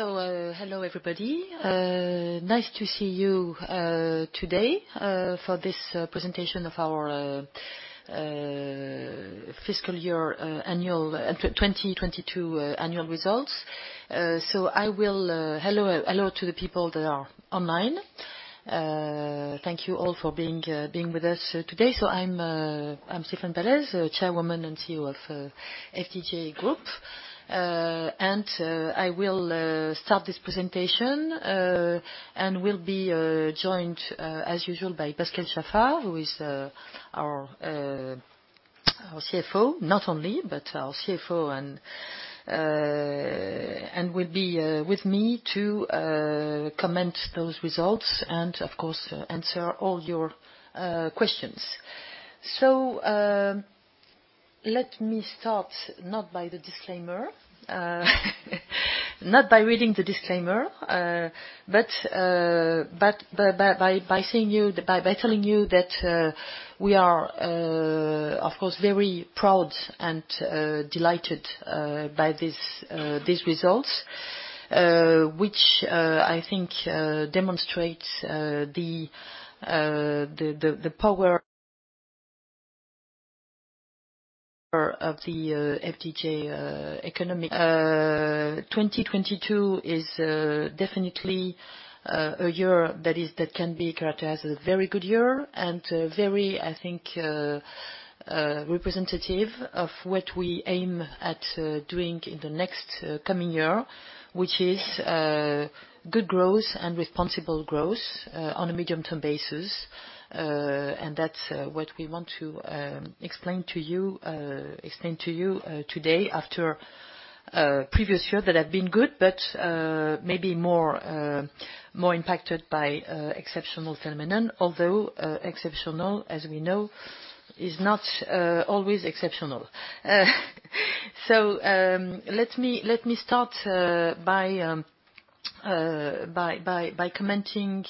Hello everybody. Nice to see you today for this presentation of our fiscal year 2022 annual results. I will hello to the people that are online. Thank you all for being with us today. I'm Stéphane Pallez, Chairwoman and CEO of FDJ Group. I will start this presentation and will be joined as usual by Pascal Chaffard, who is our CFO, not only, but our CFO and will be with me to comment those results and of course answer all your questions. Let me start not by the disclaimer, not by reading the disclaimer, but by telling you that we are, of course, very proud and delighted by this, these results, which, I think, demonstrates the power of the FDJ economic. 2022 is definitely a year that can be characterized as a very good year and very, I think, representative of what we aim at doing in the next coming year, which is good growth and responsible growth on a medium-term basis. That's what we want to explain to you today after a previous year that had been good, but maybe more impacted by exceptional phenomenon. Although exceptional, as we know, is not always exceptional. Let me start by commenting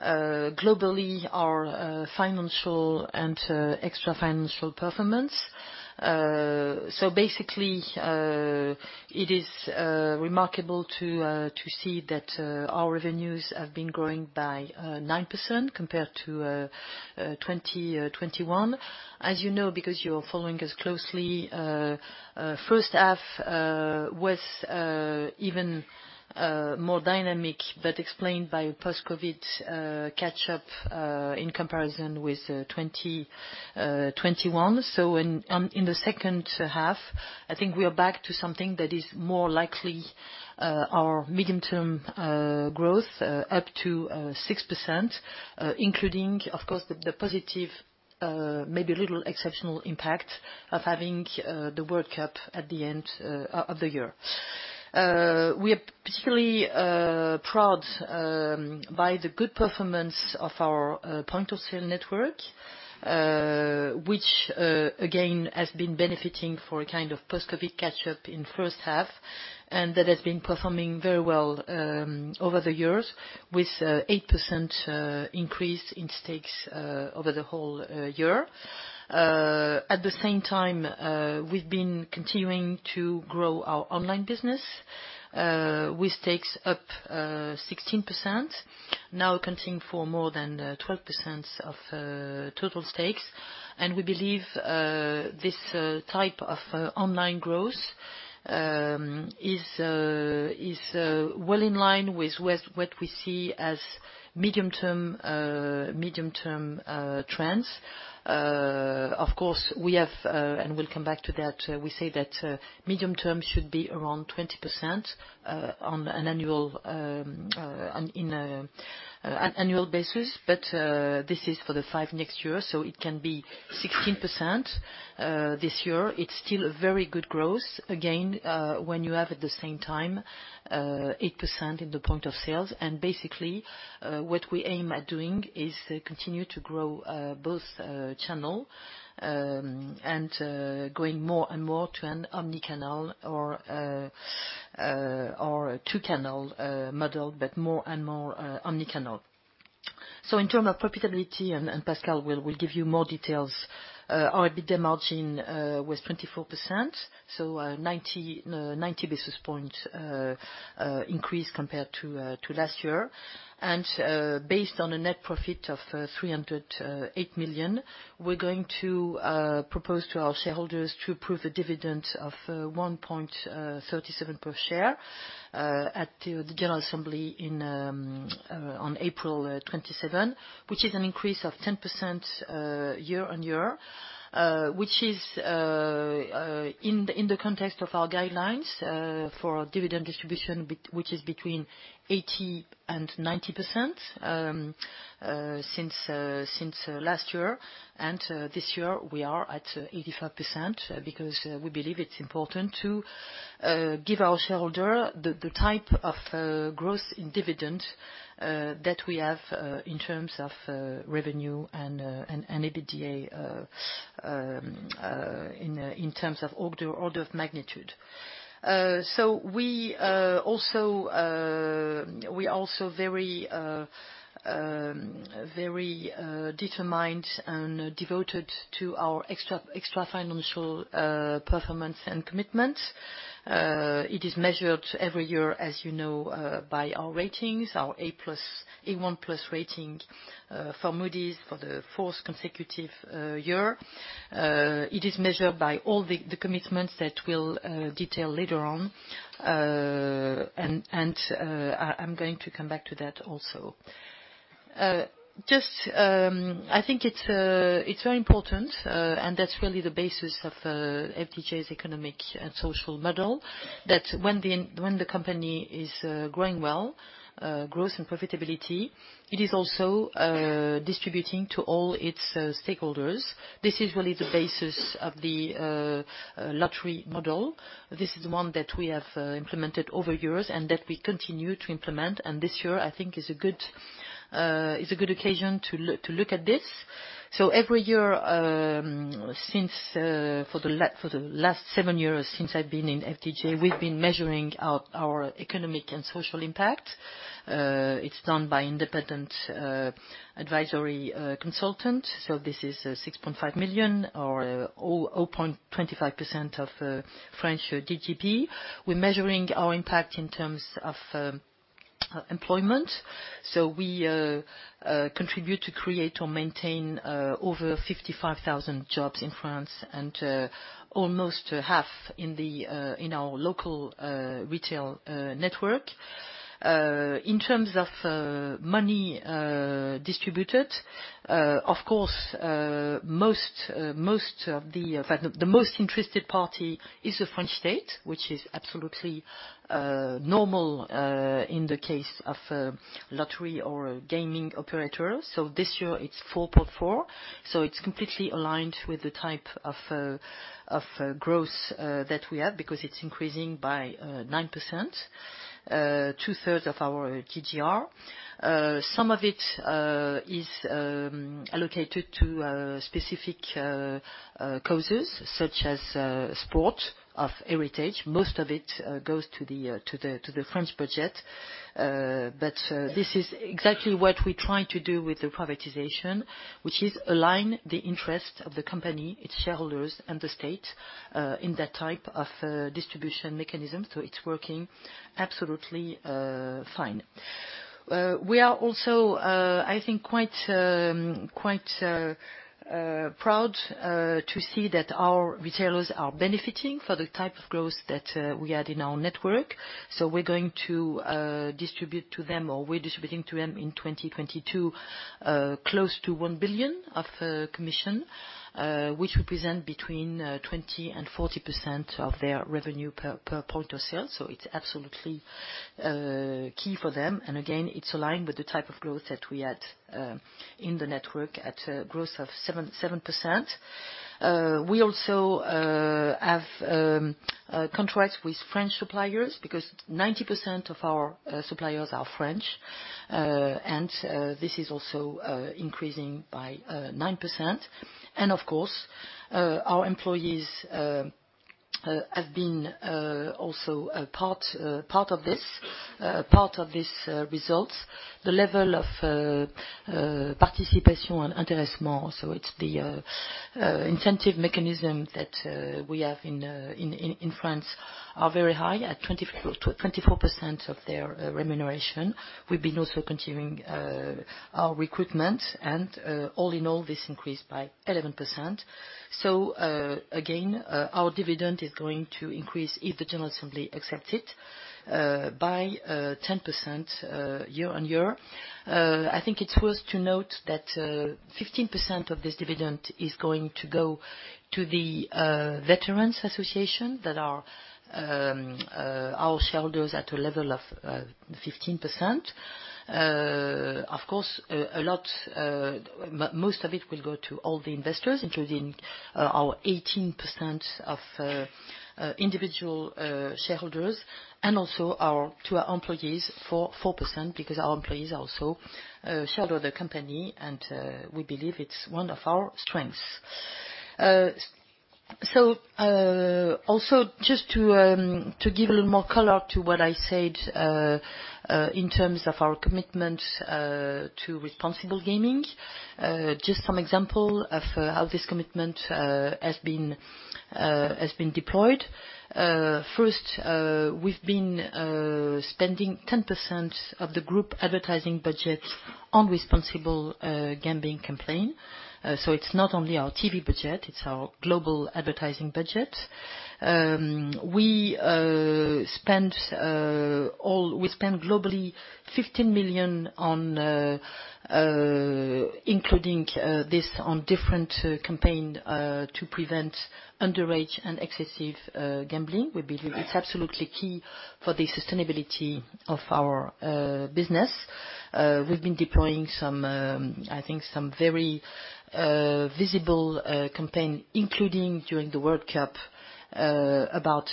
globally our financial and extra financial performance. Basically, it is remarkable to see that our revenues have been growing by 9% compared to 2021. As you know, because you're following us closely, first half was even more dynamic, but explained by post-COVID catch-up in comparison with 2021. In the second half, I think we are back to something that is more likely our medium-term growth up to 6%, including, of course, the positive, maybe little exceptional impact of having the World Cup at the end of the year. We are particularly proud by the good performance of our point-of-sale network, which again, has been benefiting for a kind of post-COVID catch-up in first half, and that has been performing very well over the years with 8% increase in stakes over the whole year. At the same time, we've been continuing to grow our online business with stakes up 16%, now accounting for more than 12% of total stakes. We believe, this type of online growth, is well in line with what we see as medium-term trends. Of course, we have, and we'll come back to that, we say that, medium-term should be around 20%, on an annual, on, in, an annual basis, but, this is for the five next year, so it can be 16%, this year. It's still a very good growth, again, when you have at the same time, 8% in the point of sales. Basically, what we aim at doing is, continue to grow, both, channel, and, going more and more to an omni-channel or a 2-channel, model, but more and more, omni-channel. In term of profitability, Pascal will give you more details, our EBITDA margin was 24%, 90 basis points increase compared to last year. Based on a net profit of 308 million, we're going to propose to our shareholders to approve a dividend of 1.37 per share at the general assembly on April 27, which is an increase of 10% year-on-year. Which is in the context of our guidelines for dividend distribution which is between 80% and 90% since last year. This year, we are at 85% because we believe it's important to give our shareholder the type of growth in dividend that we have in terms of revenue and EBITDA in terms of order of magnitude. We also very determined and devoted to our extra financial performance and commitment. It is measured every year, as you know, by our ratings, our A plus, A one plus rating for Moody's for the fourth consecutive year. It is measured by all the commitments that we'll detail later on. I'm going to come back to that also. Just, I think it's very important, and that's really the basis of FDJ's economic and social model, that when the company is growing well, growth and profitability, it is also distributing to all its stakeholders. This is really the basis of the lottery model. This is one that we have implemented over years and that we continue to implement. This year, I think, is a good occasion to look at this. Every year, since for the last seven years, since I've been in FDJ, we've been measuring our economic and social impact. It's done by independent advisory consultant. This is 6.5 million or 25% of French GDP. We're measuring our impact in terms of employment. We contribute to create or maintain over 55,000 jobs in France and almost half in our local retail network. In terms of money distributed, of course, most of the most interested party is the French state, which is absolutely normal in the case of lottery or gaming operators. This year it's 4.4. It's completely aligned with the type of growth that we have because it's increasing by 9%, 2/3 of our GGR. Some of it is allocated to specific causes such as sport of heritage. Most of it goes to the French budget. This is exactly what we try to do with the privatization, which is align the interests of the company, its shareholders and the state, in that type of distribution mechanism. It's working absolutely fine. We are also, I think quite proud to see that our retailers are benefiting for the type of growth that we had in our network. We're going to distribute to them, or we're distributing to them in 2022, close to 1 billion of commission, which represent between 20% and 40% of their revenue per point of sale. It's absolutely key for them. And again, it's aligned with the type of growth that we had in the network at growth of 7%. We also have contracts with French suppliers because 90% of our suppliers are French. This is also increasing by 9%. Of course, our employees have been also a part of this results. The level of participation on intéressement, so it's the incentive mechanism that we have in France, are very high at 24% of their remuneration. We've been also continuing our recruitment and all in all, this increased by 11%. Again, our dividend is going to increase if the general assembly accept it by 10% year-on-year. I think it's worth to note that 15% of this dividend is going to go to the veterans association that are our shareholders at a level of 15%. Of course, most of it will go to all the investors, including our 18% of individual shareholders and also to our employees for 4%, because our employees also shareholder the company and we believe it's one of our strengths. Also just to give a little more color to what I said in terms of our commitment to responsible gaming. Just some example of how this commitment has been deployed. First, we've been spending 10% of the group advertising budget on responsible gambling campaign. It's not only our TV budget, it's our global advertising budget. We spent globally 15 million on including this on different campaign to prevent underage and excessive gambling. We believe it's absolutely key for the sustainability of our business. We've been deploying some I think some very visible campaign, including during the World Cup, about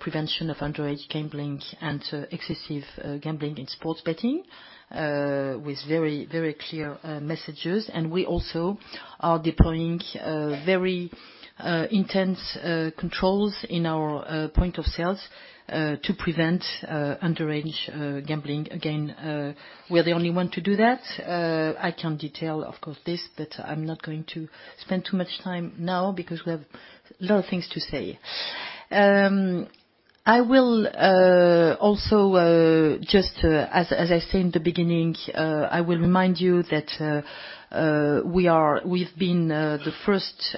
prevention of underage gambling and excessive gambling in sports betting, with very, very clear messages. We also are deploying a very intense controls in our point of sales to prevent underage gambling. Again, we're the only one to do that. I can detail, of course, this, but I'm not going to spend too much time now because we have a lot of things to say. I will also, as I said in the beginning, I will remind you that we've been the first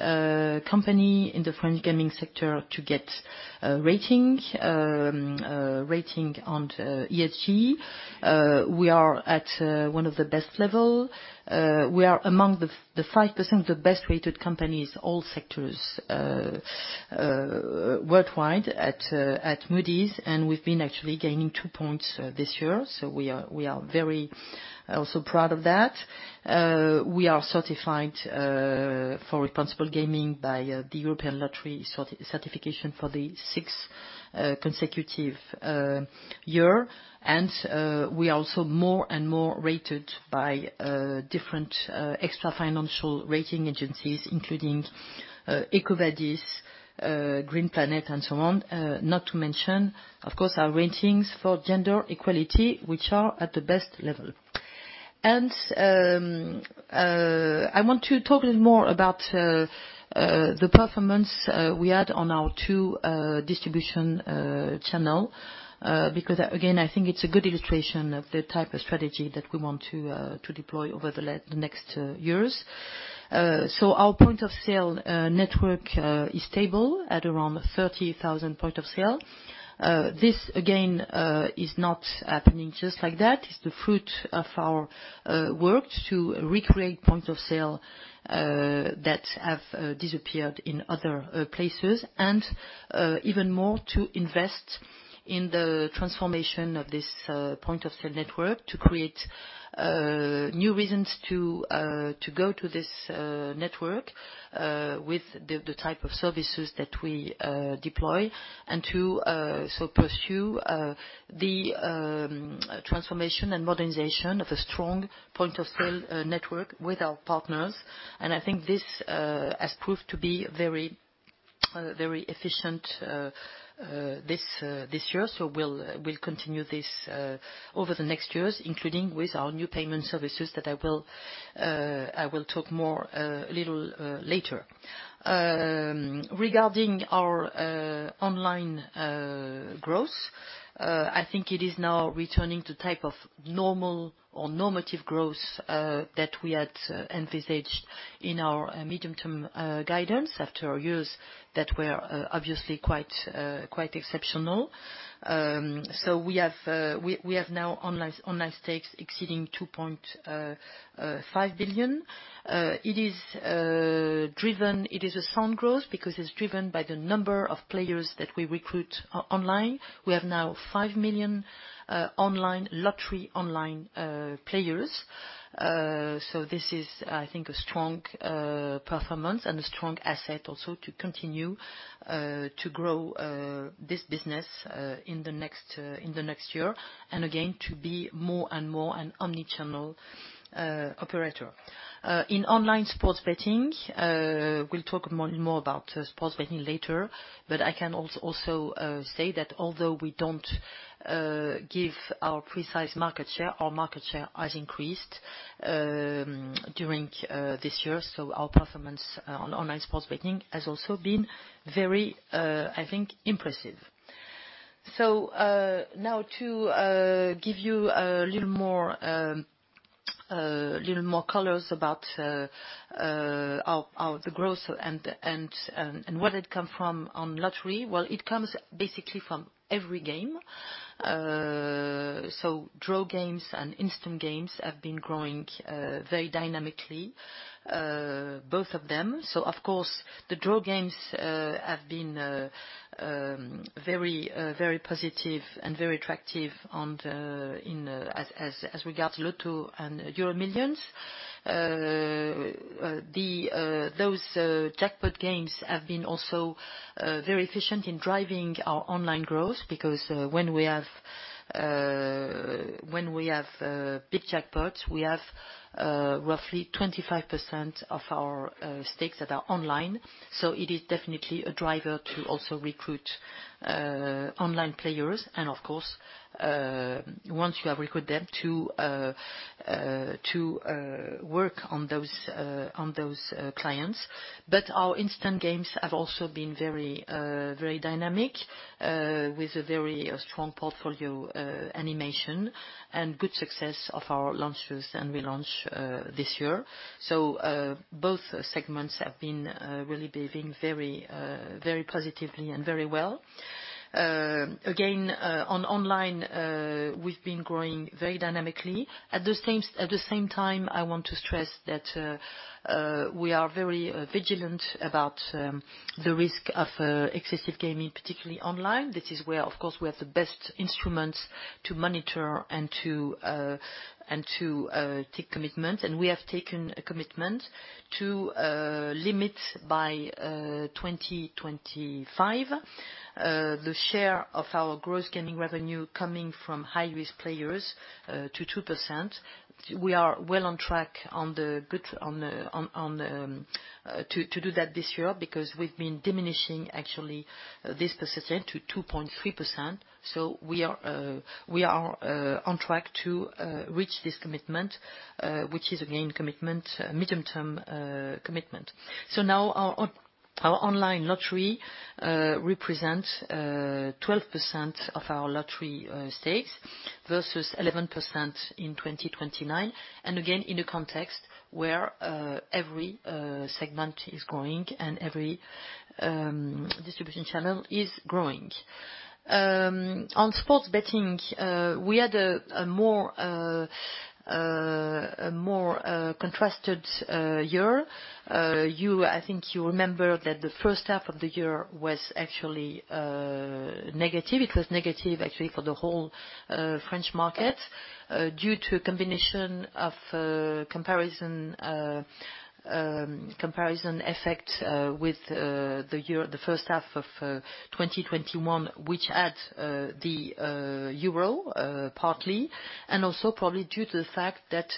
company in the French gaming sector to get a rating. A rating on ESG. We are at one of the best level. We are among the 5% of the best-rated companies, all sectors, worldwide at Moody's, and we've been actually gaining two points this year. We are very also proud of that. We are certified for responsible gaming by the European Lotteries certification for the sixth consecutive year. We're also more and more rated by different extra financial rating agencies, including EcoVadis, Green Planet, and so on. Not to mention, of course, our ratings for gender equality, which are at the best level. I want to talk a little more about the performance we had on our two distribution channel. Because again, I think it's a good illustration of the type of strategy that we want to deploy over the next years. Our point of sale network is stable at around 30,000 point of sale. This again is not happening just like that. It's the fruit of our work to recreate point of sale that have disappeared in other places. Even more to invest in the transformation of this point of sale network to create new reasons to go to this network with the type of services that we deploy. To so pursue the transformation and modernization of a strong point of sale network with our partners. I think this has proved to be very efficient this year. We'll continue this over the next years, including with our new payment services that I will talk more a little later. Regarding our online growth, I think it is now returning to type of normal or normative growth that we had envisaged in our medium-term guidance after years that were obviously quite exceptional. We have now online stakes exceeding 2.5 billion. It is a sound growth because it's driven by the number of players that we recruit online. We have now 5 million online lottery players. This is, I think, a strong performance and a strong asset also to continue to grow this business in the next in the next year and again, to be more and more an omni-channel operator. In online sports betting, we'll talk more about sports betting later, I can also say that although we don't give our precise market share, our market share has increased during this year. Our performance on online sports betting has also been very, I think impressive. Now, to give you a little more colors about the growth and what it come from on lottery. It comes basically from every game. Draw games and instant games have been growing very dynamically, both of them. Of course, the draw games have been very positive and very attractive on the in as regard Loto and EuroMillions. The those jackpot games have been also very efficient in driving our online growth because when we have big jackpots, we have roughly 25% of our stakes that are online. It is definitely a driver to also recruit online players, and of course, once you have recruit them to work on those clients. Our instant games have also been very dynamic with a very strong portfolio animation and good success of our launches and relaunch this year. Both segments have been really behaving very positively and very well. Again, on online, we've been growing very dynamically. At the same time, I want to stress that we are very vigilant about the risk of excessive gaming, particularly online. This is where, of course, we have the best instruments to monitor and to take commitment. We have taken a commitment to limit by 2025 the share of our gross gaming revenue coming from high-risk players to 2%. We are well on track to do that this year because we've been diminishing actually this percentage to 2.3%, so we are on track to reach this commitment, which is again commitment, medium-term commitment. Now our online lottery represents 12% of our lottery stakes versus 11% in 2029. Again, in a context where every segment is growing and every distribution channel is growing. On sports betting, we had a more contrasted year. I think you remember that the first half of the year was actually negative. It was negative actually for the whole French market due to a combination of comparison effect, with the first half of 2021, which had the Euro partly, and also probably due to the fact that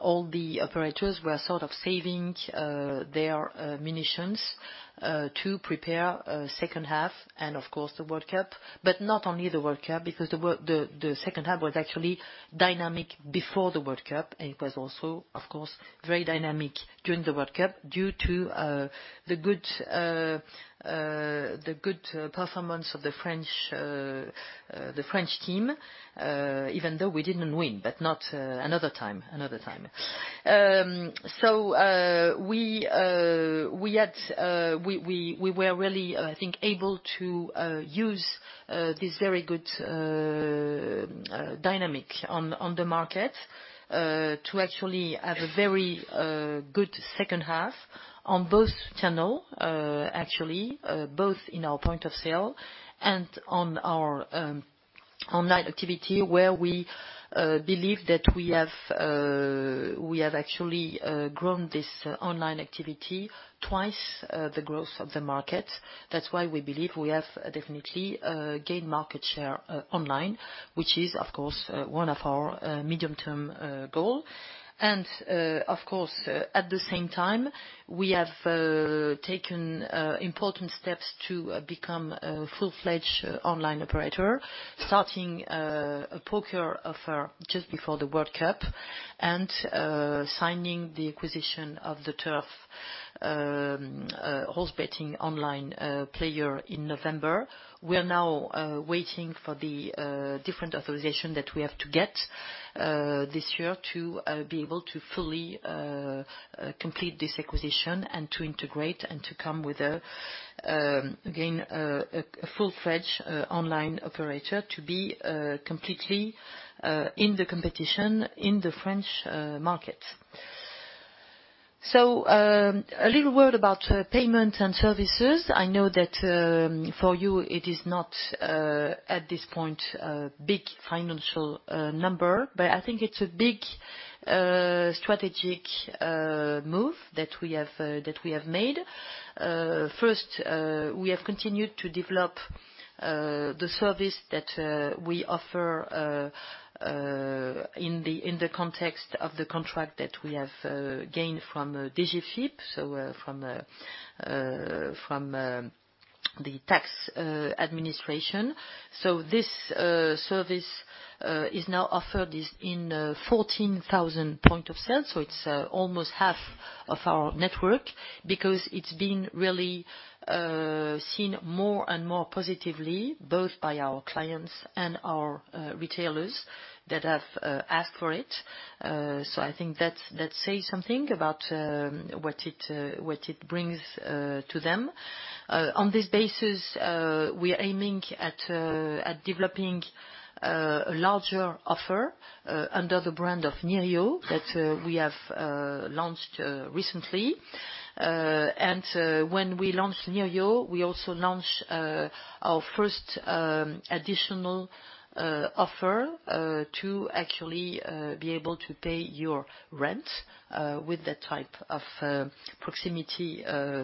all the operators were sort of saving their munitions to prepare a second half and of course, the World Cup. Not only the World Cup, because the second half was actually dynamic before the World Cup, and it was also, of course, very dynamic during the World Cup due to the good performance of the French team, even though we didn't win, another time. We had we were really, I think able to use this very good dynamic on the market to actually have a very good second half on both channel, actually, both in our point of sale and on our online activity, where we believe that we have we have actually grown this online activity twice the growth of the market. That's why we believe we have definitely gained market share online, which is of course one of our medium-term goal. Of course, at the same time, we have taken important steps to become a full-fledged online operator, starting a poker offer just before the World Cup and signing the acquisition of the Turf, horse betting online player in November. We are now waiting for the different authorization that we have to get this year to be able to fully complete this acquisition and to integrate and to come with again a full-fledged online operator to be completely in the competition in the French market. A little word about payment and services. I know that for you it is not at this point a big financial number, but I think it's a big strategic move that we have made. First, we have continued to develop the service that we offer in the context of the contract that we have gained from DGFiP. From the tax administration. This service is now offered in 14,000 point of sale. It's almost half of our network because it's been really seen more and more positively both by our clients and our retailers that have asked for it. I think that say something about what it brings to them. On this basis, we are aiming at developing a larger offer under the brand of Nirio that we have launched recently. When we launched Nirio, we also launched our first additional offer to actually be able to pay your rent with that type of proximity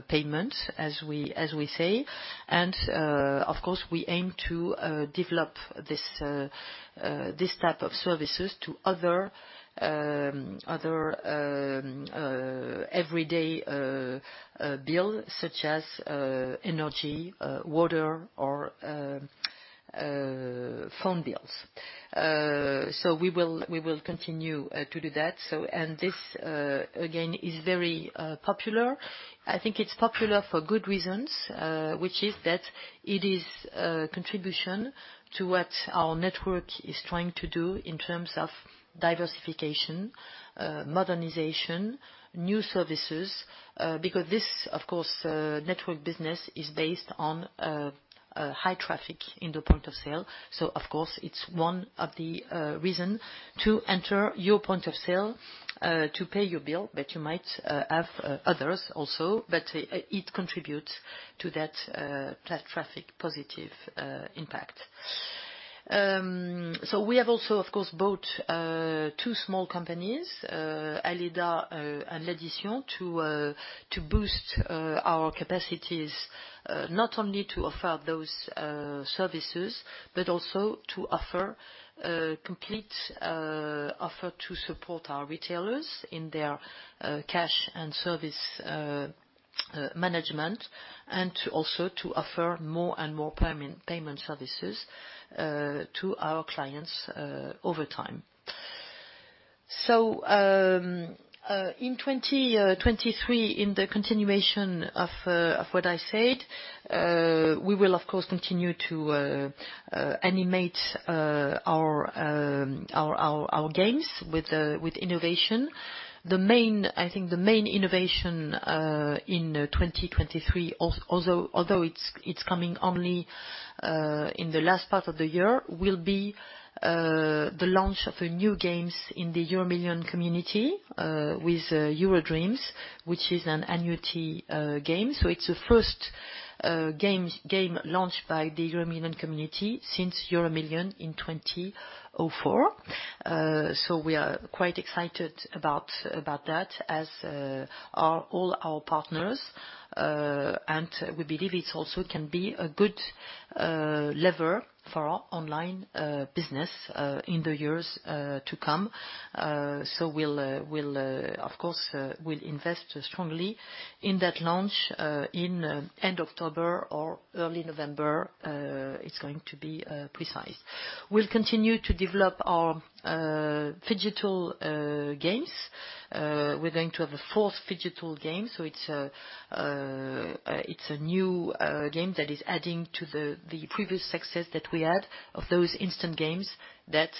payment, as we say. Of course, we aim to develop this type of services to other everyday bill, such as energy, water or phone bills. We will continue to do that. This, again, is very popular. I think it's popular for good reasons, which is that it is a contribution to what our network is trying to do in terms of diversification, modernization, new services, because this of course, network business is based on high traffic in the point of sale. Of course, it's one of the reason to enter your point of sale, to pay your bill, but you might have others also, but it contributes to that traffic positive impact. We have also, of course, bought two small companies, Aleda and L'Addition to boost our capacities, not only to offer those services but also to offer a complete offer to support our retailers in their cash and service management and to also to offer more and more payment services to our clients over time. In 2023, in the continuation of what I said, we will of course continue to animate our games with innovation. I think the main innovation in 2023, although it's coming only in the last part of the year, will be the launch of a new game in the EuroMillions community with EuroDreams, which is an annuity game. It's the first game launched by the EuroMillions community since EuroMillions in 2004. We are quite excited about that as all our partners. We believe it also can be a good lever for our online business in the years to come. We'll of course we'll invest strongly in that launch in end October or early November, it's going to be precise. We'll continue to develop our phygital games. We're going to have a 4th phygital game, so it's a new game that is adding to the previous success that we had of those instant games that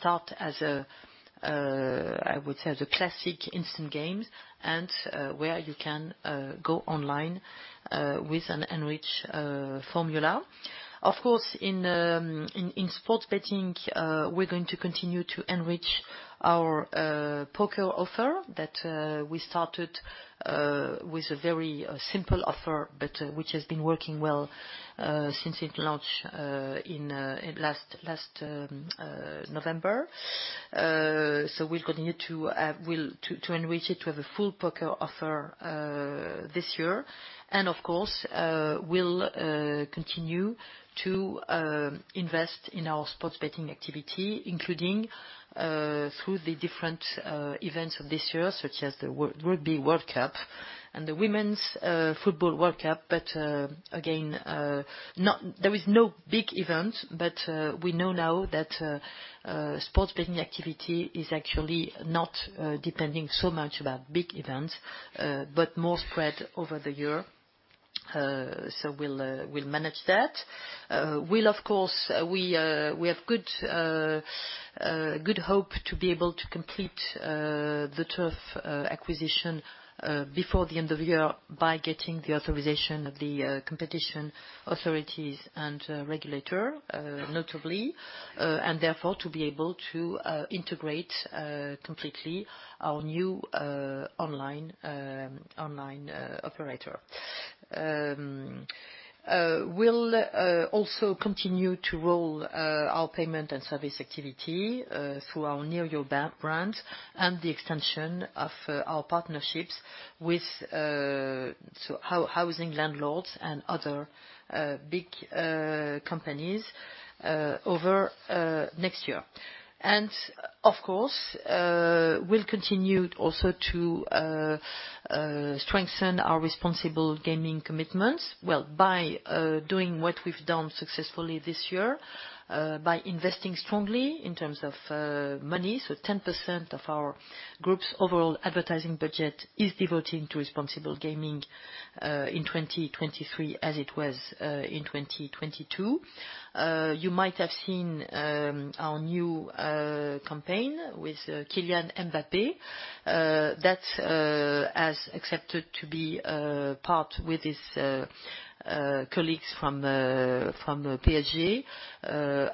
start as a classic instant games and where you can go online with an enriched formula. Of course, in in sports betting, we're going to continue to enrich our poker offer that we started with a very simple offer, but which has been working well since it launched in last November. So we'll continue to enrich it. We have a full poker offer this year. Of course, we'll continue to invest in our sports betting activity, including through the different events of this year, such as the Rugby World Cup and the Women's Football World Cup. Again, there is no big event, but we know now that sports betting activity is actually not depending so much about big events, but more spread over the year. We'll manage that. We have good hope to be able to complete the Turf acquisition before the end of the year by getting the authorization of the competition authorities and regulator, notably, and therefore, to be able to integrate completely our new online online operator. We'll also continue to roll our payment and service activity through our Nirio brand and the extension of our partnerships with housing landlords and other big companies over next year. Of course, we'll continue also to strengthen our responsible gaming commitments, well, by doing what we've done successfully this year, by investing strongly in terms of money. 10% of our FDJ Group's overall advertising budget is devoted to responsible gaming in 2023 as it was in 2022. You might have seen our new campaign with Kylian Mbappé that has accepted to be part with his colleagues from the PSG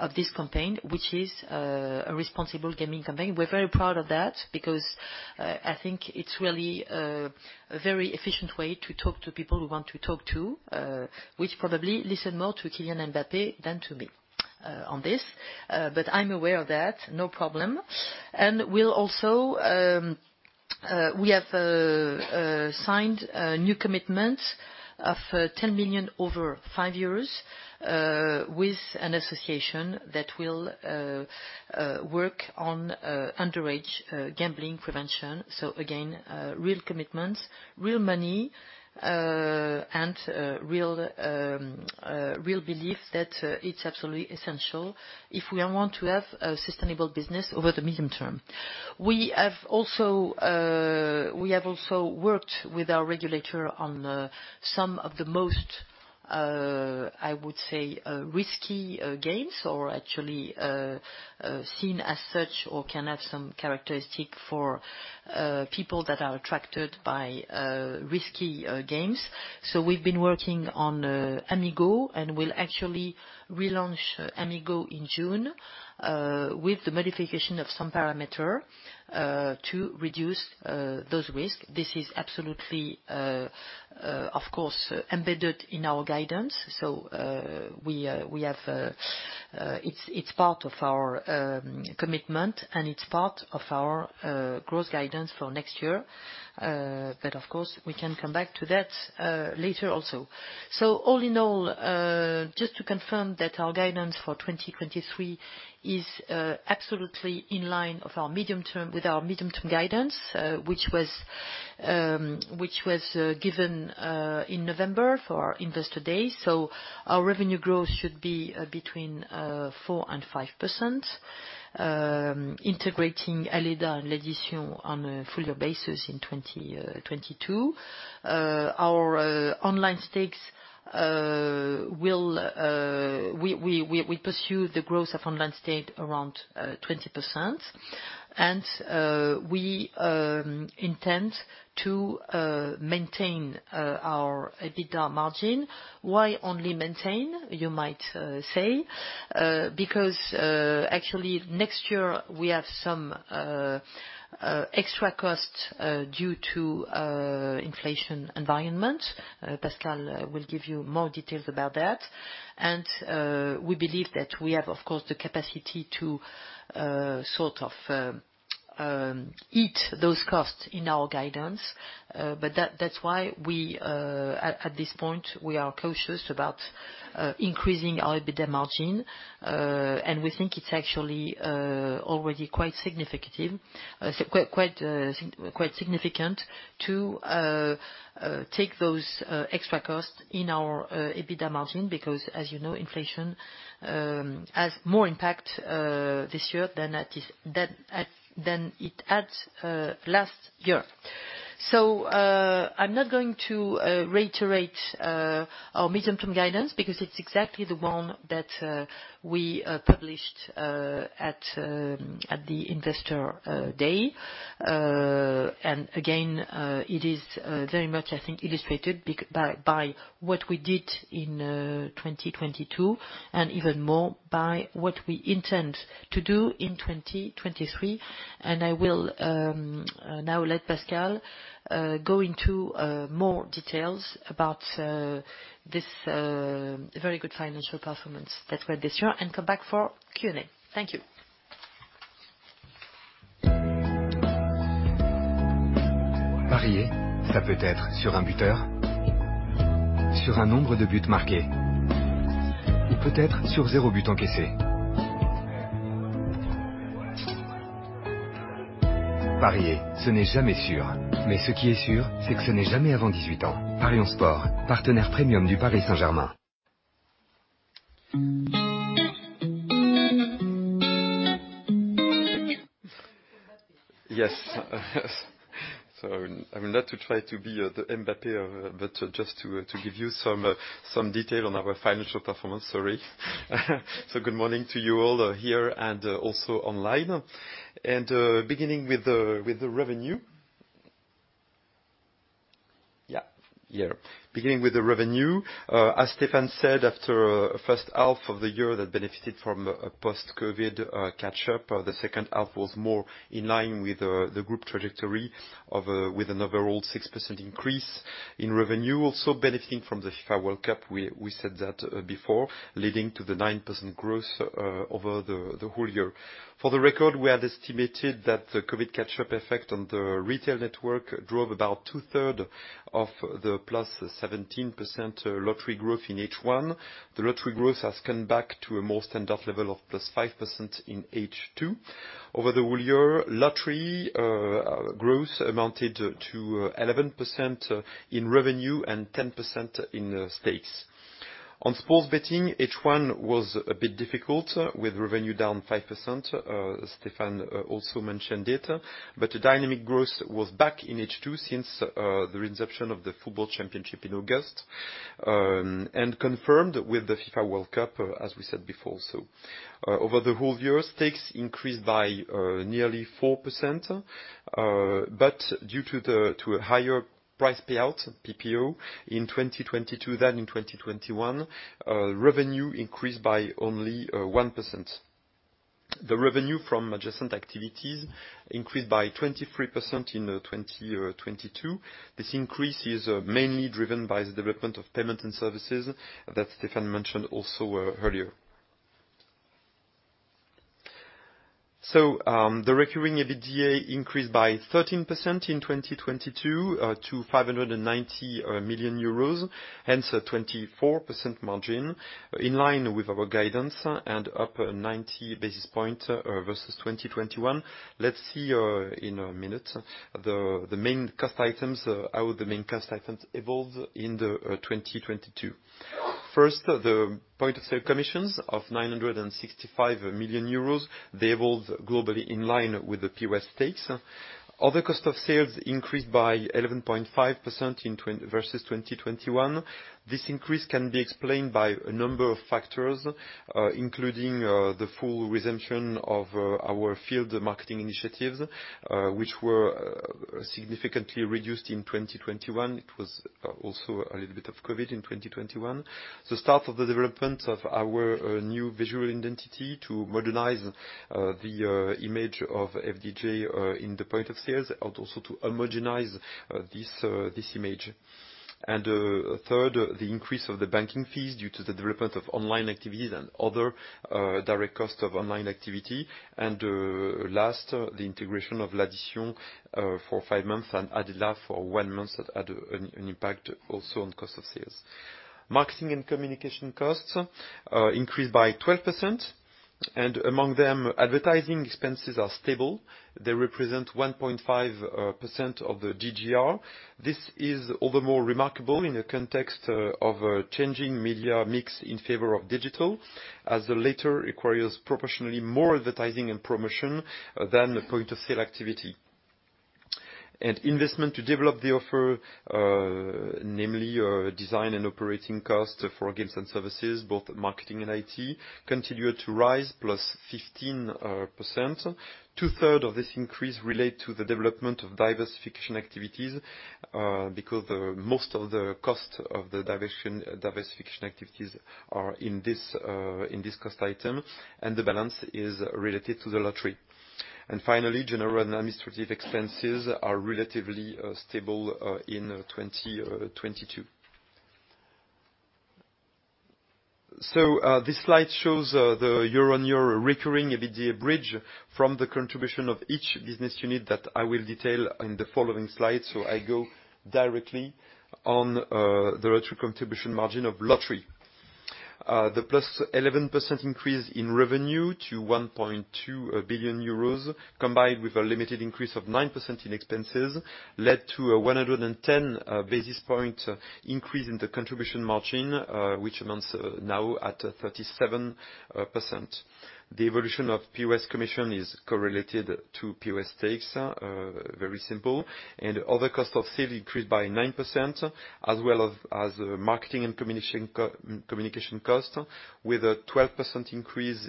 of this campaign, which is a responsible gaming campaign. We're very proud of that because I think it's really a very efficient way to talk to people we want to talk to, which probably listen more to Kylian Mbappé than to me on this. I'm aware of that, no problem. We'll also we have signed a new commitment of 10 million over five years with an association that will work on underage gambling prevention. Again, real commitments, real money, and real belief that it's absolutely essential if we want to have a sustainable business over the medium term. We have also, we have also worked with our regulator on some of the most, I would say, risky games or actually, seen as such or can have some characteristic for people that are attracted by risky games. We've been working on Amigo, and we'll actually relaunch Amigo in June with the modification of some parameter to reduce those risks. This is absolutely, of course, embedded in our guidance. We have, it's part of our commitment and it's part of our growth guidance for next year. Of course, we can come back to that later also. All in all, just to confirm that our guidance for 2023 is absolutely in line with our medium-term guidance, which was given in November for our investor day. Our revenue growth should be between 4%-5%. Integrating Aleda and L'Addition on a fuller basis in 2022. Our online stakes we pursue the growth of online state around 20%. We intend to maintain our EBITDA margin. Why only maintain, you might say? Because actually, next year we have some extra costs due to inflation environment. Pascal will give you more details about that. We believe that we have, of course, the capacity to sort of eat those costs in our guidance. That's why we at this point are cautious about increasing our EBITDA margin. We think it's actually already quite significant to take those extra costs in our EBITDA margin because as you know, inflation has more impact this year than it had last year. I'm not going to reiterate our medium-term guidance because it's exactly the one that we published at the investor day. Again, it is very much, I think, illustrated by what we did in 2022 and even more by what we intend to do in 2023. And I will now let Pascal go into more details about this very good financial performance that we had this year and come back for Q&A. Thank you. Yes. Not to try to be the Mbappe, but just to give you some detail on our financial performance. Sorry. Good morning to you all here also online. Beginning with the revenue, as Stéphane said, after first half of the year that benefited from a post-COVID catch-up, the second half was more in line with the FDJ Group trajectory with an overall 6% increase in revenue. Also benefiting from the FIFA World Cup, we said that before, leading to the 9% growth over the whole year. For the record, we had estimated that the COVID catch-up effect on the retail network drove about 2/3 of the +17% lottery growth in H1. The lottery growth has come back to a more standard level of +5% in H2. Over the whole year, lottery growth amounted to 11% in revenue and 10% in stakes. On sports betting, H1 was a bit difficult with revenue down 5%. Stéphane also mentioned it. The dynamic growth was back in H2 since the resumption of the football championship in August and confirmed with the FIFA World Cup, as we said before. Over the whole year, stakes increased by nearly 4%, but due to a higher price payout, PPO, in 2022 than in 2021, revenue increased by only 1%. The revenue from adjacent activities increased by 23% in 2022. This increase is mainly driven by the development of payment and services that Stéphane mentioned also earlier. The recurring EBITDA increased by 13% in 2022 to 590 million euros, hence a 24% margin in line with our guidance and up 90 basis points versus 2021. Let's see in a minute the main cost items, how the main cost items evolved in the 2022. First, the point-of-sale commissions of 965 million euros, they evolved globally in line with the pure stakes. Other cost of sales increased by 11.5% versus 2021. This increase can be explained by a number of factors, including the full resumption of our field marketing initiatives, which were significantly reduced in 2021. It was also a little bit of COVID in 2021. The start of the development of our new visual identity to modernize the image of FDJ in the point of sales and also to homogenize this image. Third, the increase of the banking fees due to the development of online activities and other direct cost of online activity. Last, the integration of L'Addition for 5 months and Aleda for one month that had an impact also on cost of sales. Marketing and communication costs increased by 12%, and among them, advertising expenses are stable. They represent 1.5% of the GGR. This is all the more remarkable in the context of a changing media mix in favor of digital, as the latter requires proportionally more advertising and promotion than the POS activity. Investment to develop the offer, namely our design and operating costs for games and services, both marketing and IT, continued to rise +15%. Two-thirds of this increase relate to the development of diversification activities, because most of the cost of the diversification activities are in this cost item, and the balance is related to the lottery. Finally, general and administrative expenses are relatively stable in 2022. This slide shows the year-on-year recurring EBITDA bridge from the contribution of each business unit that I will detail in the following slide. I go directly on the return contribution margin of lottery. The +11% increase in revenue to 1.2 billion euros, combined with a limited increase of 9% in expenses, led to a 110 basis point increase in the contribution margin, which amounts now at 37%. The evolution of POS commission is correlated to POS stakes, very simple. Other cost of sale increased by 9% as well as marketing and communication cost, with a 12% increase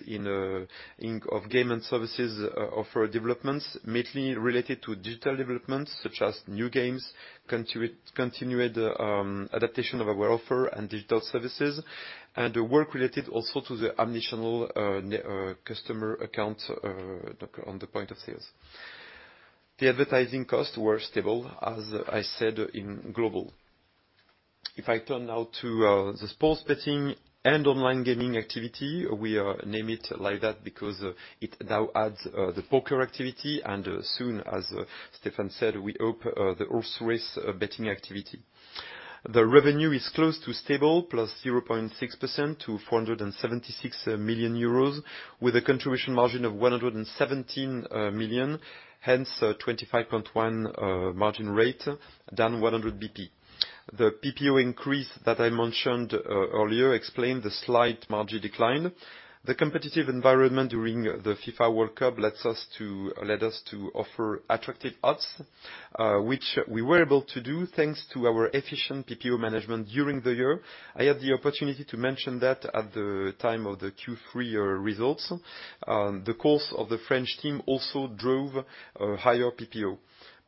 of game and services offer developments, mainly related to digital developments such as new games, continued adaptation of our offer and digital services, and work related also to the omni-channel customer account on the point of sales. The advertising costs were stable, as I said, in global. If I turn now to the sports betting and online gaming activity, we name it like that because it now adds the poker activity, and soon, as Stéphane said, we open the horse-race betting activity. The revenue is close to stable, +0.6% to 476 million euros, with a contribution margin of 117 million, hence 25.1% margin rate, down 100 basis points. The PPO increase that I mentioned earlier explained the slight margin decline. The competitive environment during the FIFA World Cup led us to offer attractive odds, which we were able to do thanks to our efficient PPO management during the year. I had the opportunity to mention that at the time of the Q3 results. The course of the French team also drove higher PPO.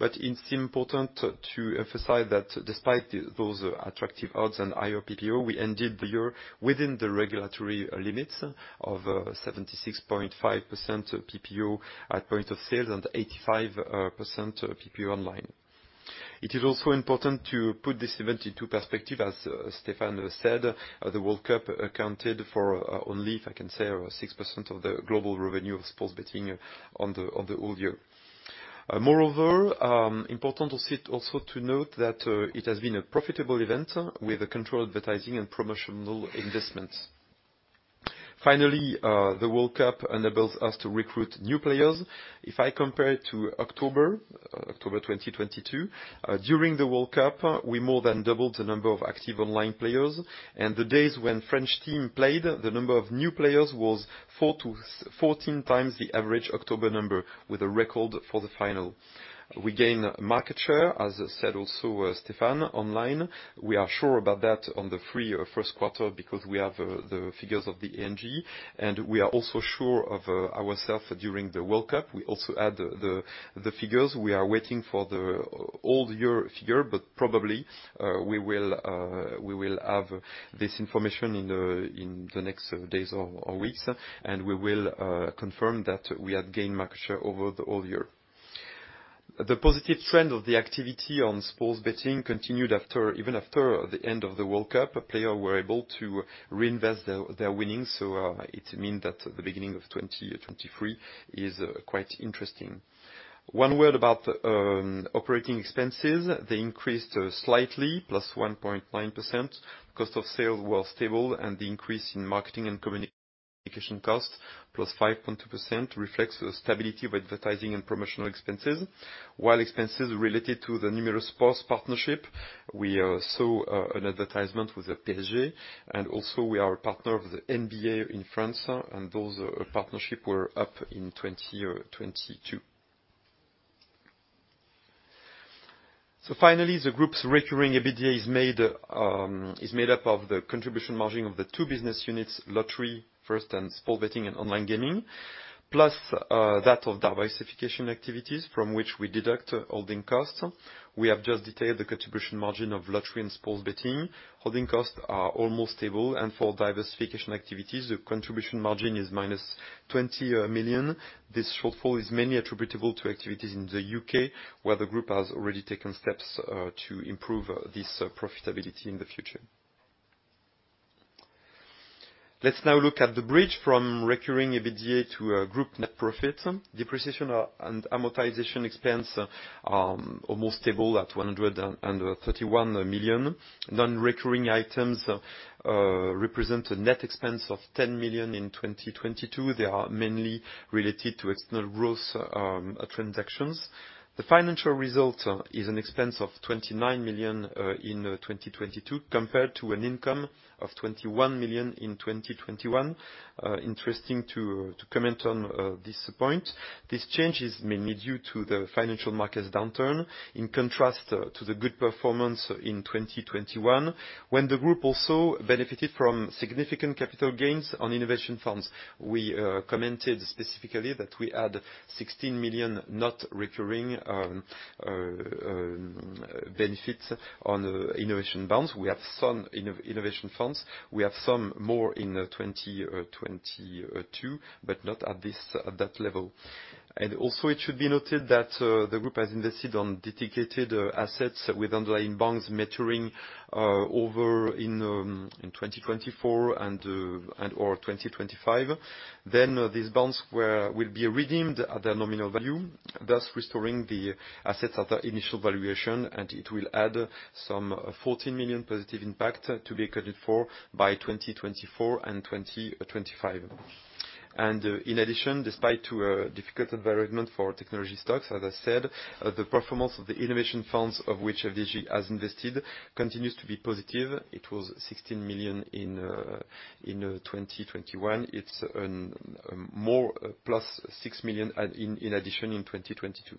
It's important to emphasize that despite those attractive odds and higher PPO, we ended the year within the regulatory limits of 76.5% PPO at point of sales and 85% PPO online. It is also important to put this event into perspective, as Stéphane said, the World Cup accounted for only, if I can say, around 6% of the global revenue of sports betting on the whole year. Moreover, important also to note that it has been a profitable event with controlled advertising and promotional investments. Finally, the World Cup enables us to recruit new players. If I compare to October 2022, during the World Cup, we more than doubled the number of active online players, and the days when French team played, the number of new players was 4 to 14x the average October number, with a record for the final. We gain market share, as said also, Stéphane, online. We are sure about that on the three first quarter because we have the figures of the NGR, and we are also sure of ourselves during the World Cup. We also add the figures. We are waiting for the all year figure, but probably, we will have this information in the next days or weeks, and we will confirm that we have gained market share over the whole year. The positive trend of the activity on sports betting continued after, even after the end of the World Cup. Players were able to reinvest their winnings, it means that the beginning of 2023 is quite interesting. One word about operating expenses. They increased slightly, +1.9%. Cost of sales were stable, the increase in marketing and communication costs, +5.2%, reflects the stability of advertising and promotional expenses. While expenses related to the numerous sports partnership, we saw an advertisement with PSG, and also we are a partner of the NBA in France, and those partnership were up in 2022. Finally, the group's recurring EBITDA is made up of the contribution margin of the two business units, lottery first, and sports betting and online gaming, plus that of diversification activities from which we deduct holding costs. We have just detailed the contribution margin of lottery and sports betting. Holding costs are almost stable. For diversification activities, the contribution margin is minus 20 million. This shortfall is mainly attributable to activities in the U.K., where the group has already taken steps to improve this profitability in the future. Let's now look at the bridge from recurring EBITDA to group net profit. Depreciation and amortization expense are almost stable at 131 million. Non-recurring items represent a net expense of 10 million in 2022. They are mainly related to external growth transactions. The financial result is an expense of 29 million in 2022, compared to an income of 21 million in 2021. Interesting to comment on this point. This change is mainly due to the financial markets downturn, in contrast to the good performance in 2021, when the group also benefited from significant capital gains on innovation funds. We commented specifically that we had 16 million not recurring benefits on innovation bonds. We have some innovation funds. We have some more in 2022, but not at that level. It should be noted that the group has invested on dedicated assets with underlying bonds maturing over in 2024 and or 2025. These bonds will be redeemed at their nominal value, thus restoring the assets at their initial valuation, it will add some 14 million positive impact to be accounted for by 2024 and 2025. In addition, despite to a difficult environment for technology stocks, as I said, the performance of the innovation funds of which FDJ has invested continues to be positive. It was 16 million in 2021. It's plus 6 million in addition in 2022.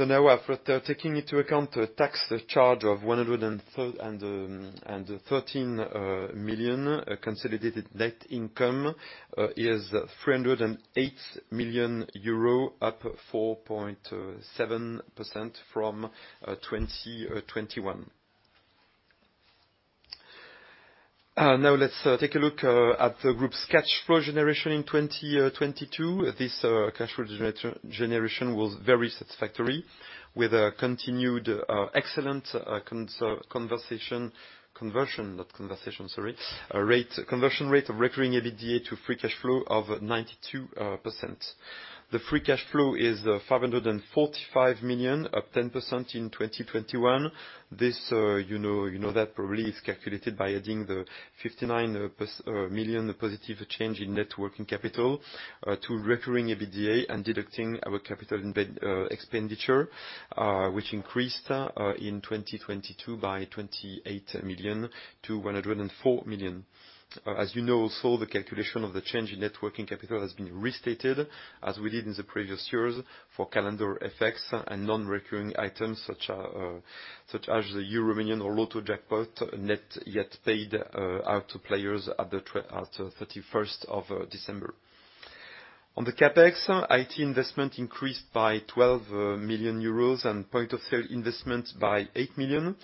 Now after taking into account a tax charge of 113 million, consolidated net income is 308 million euro, up 4.7% from 2021. Now let's take a look at the group's cash flow generation in 2022. This cash flow generation was very satisfactory, with a continued excellent conversion, not conversation, sorry, rate of recurring EBITDA to free cash flow of 92%. The free cash flow is 545 million, up 10% in 2021. This, you know, that probably is calculated by adding the 59 plus million positive change in net working capital to recurring EBITDA and deducting our capital expenditure, which increased in 2022 by 28 million to 104 million. As you know, also the calculation of the change in net working capital has been restated, as we did in the previous years for calendar effects and non-recurring items such as the EuroMillions or Loto jackpot net yet paid out to players at the 31st of December. On the CapEx, IT investment increased by 12 million euros and point of sale investments by 8 million.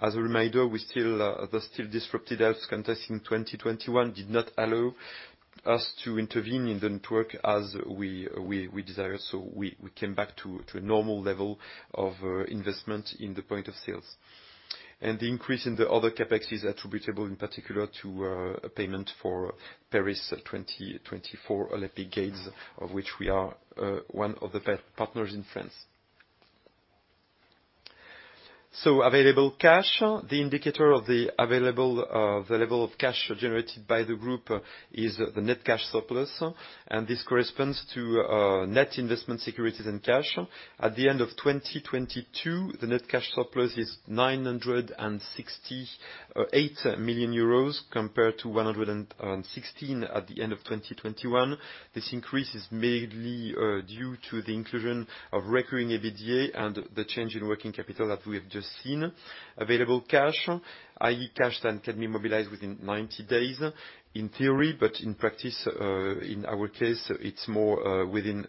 As a reminder, the still disrupted health context in 2021 did not allow us to intervene in the network as we desired. We came back to a normal level of investment in the point of sales. The increase in the other CapEx is attributable in particular to a payment for Paris 2024 Olympic Games, of which we are one of the partners in France. Available cash. The indicator of the available, the level of cash generated by the group is the net cash surplus, and this corresponds to net investment securities and cash. At the end of 2022, the net cash surplus is 968 million euros compared to 116 at the end of 2021. This increase is mainly due to the inclusion of recurring EBITDA and the change in working capital that we have just seen. Available cash, i.e. cash that can be mobilized within 90 days in theory, but in practice, in our case, it's more within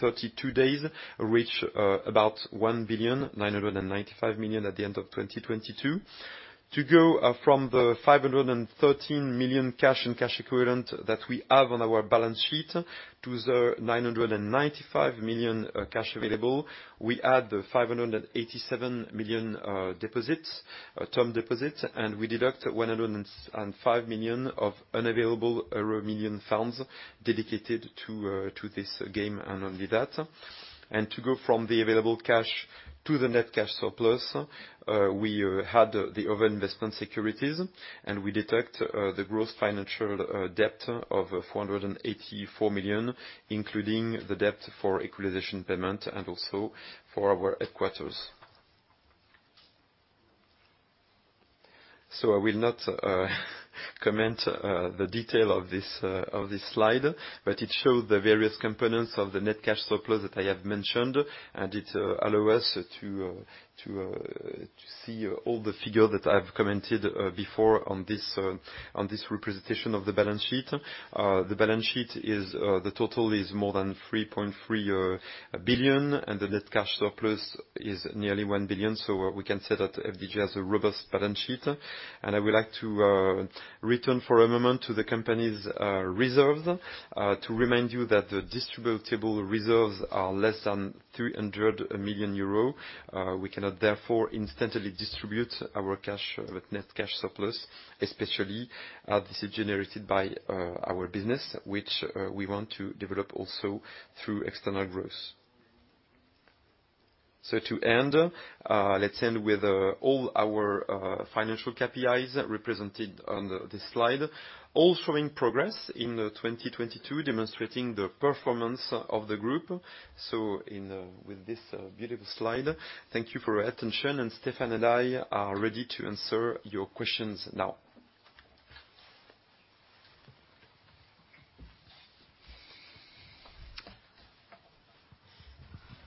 32 days, reach about 1,995 million at the end of 2022. To go from the 513 million cash and cash equivalent that we have on our balance sheet to the 995 million cash available, we add the 587 million deposits, term deposits, and we deduct 105 million of unavailable EuroMillions funds dedicated to this game and only that. To go from the available cash to the net cash surplus, we had the other investment securities, and we deduct the gross financial debt of 484 million, including the debt for equalization payment and also for our headquarters. I will not comment the detail of this slide, but it shows the various components of the net cash surplus that I have mentioned, and it allow us to see all the figure that I've commented before on this representation of the balance sheet. The balance sheet is the total is more than 3.3 billion, and the net cash surplus is nearly 1 billion. We can say that FDJ has a robust balance sheet. I would like to return for a moment to the company's reserves, to remind you that the distributable reserves are less than 300 million euros. We cannot therefore instantly distribute our cash with net cash surplus, especially, this is generated by our business, which we want to develop also through external growth. To end, let's end with all our financial KPIs represented on the, this slide. All showing progress in 2022, demonstrating the performance of the group. With this beautiful slide, thank you for your attention, and Stéphane and I are ready to answer your questions now.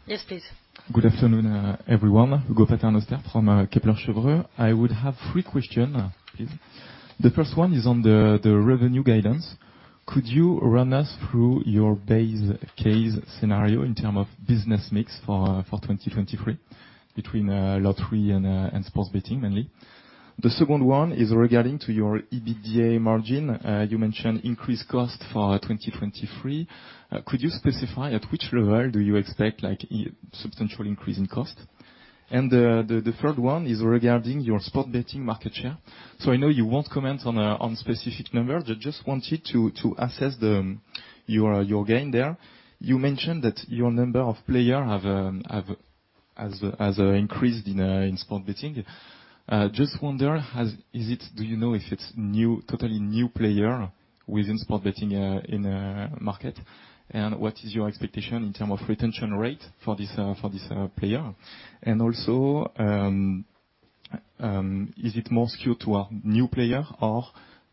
Yes, please. Good afternoon, everyone. Hugo Paternoster from Kepler Cheuvreux. I would have three question, please. The first one is on the revenue guidance. Could you run us through your base case scenario in term of business mix for 2023 between lottery and sports betting mainly? The second one is regarding to your EBITDA margin. You mentioned increased cost for 2023. Could you specify at which level do you expect, like, substantial increase in cost? The third one is regarding your sports betting market share. I know you won't comment on specific numbers. I just wanted to assess your gain there. You mentioned that your number of player has increased in sports betting. Just wonder, has... Do you know if it's new, totally new player within sports betting, in market? What is your expectation in terms of retention rate for this player? Also, is it more skewed to a new player or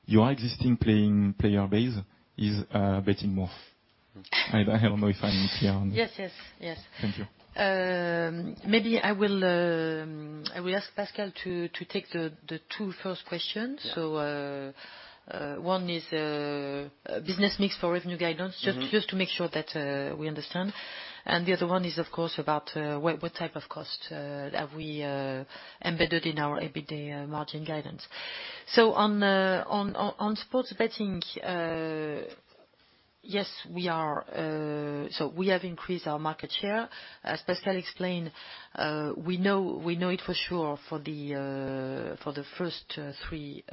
your existing player base is betting more? I don't know if I'm clear on. Yes, yes. Thank you. Maybe I will ask Pascal to take the two first questions. Yeah. One is business mix for revenue guidance. Mm-hmm. Just to make sure that we understand. The other one is, of course, about what type of cost have we embedded in our EBITDA margin guidance. On sports betting, yes, we are... We have increased our market share. As Pascal explained, we know it for sure for the first three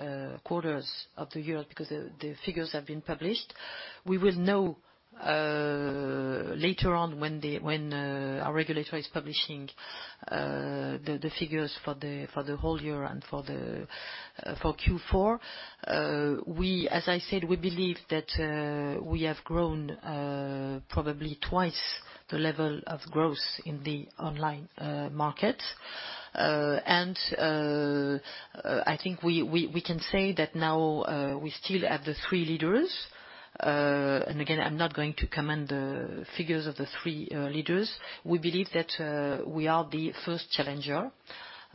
quarters of the year because the figures have been published. We will know later on when our regulator is publishing the figures for the whole year and for Q4. As I said, we believe that we have grown probably twice the level of growth in the online market. I think we can say that now, we still have the three leaders. Again, I'm not going to comment the figures of the three leaders. We believe that we are the first challenger,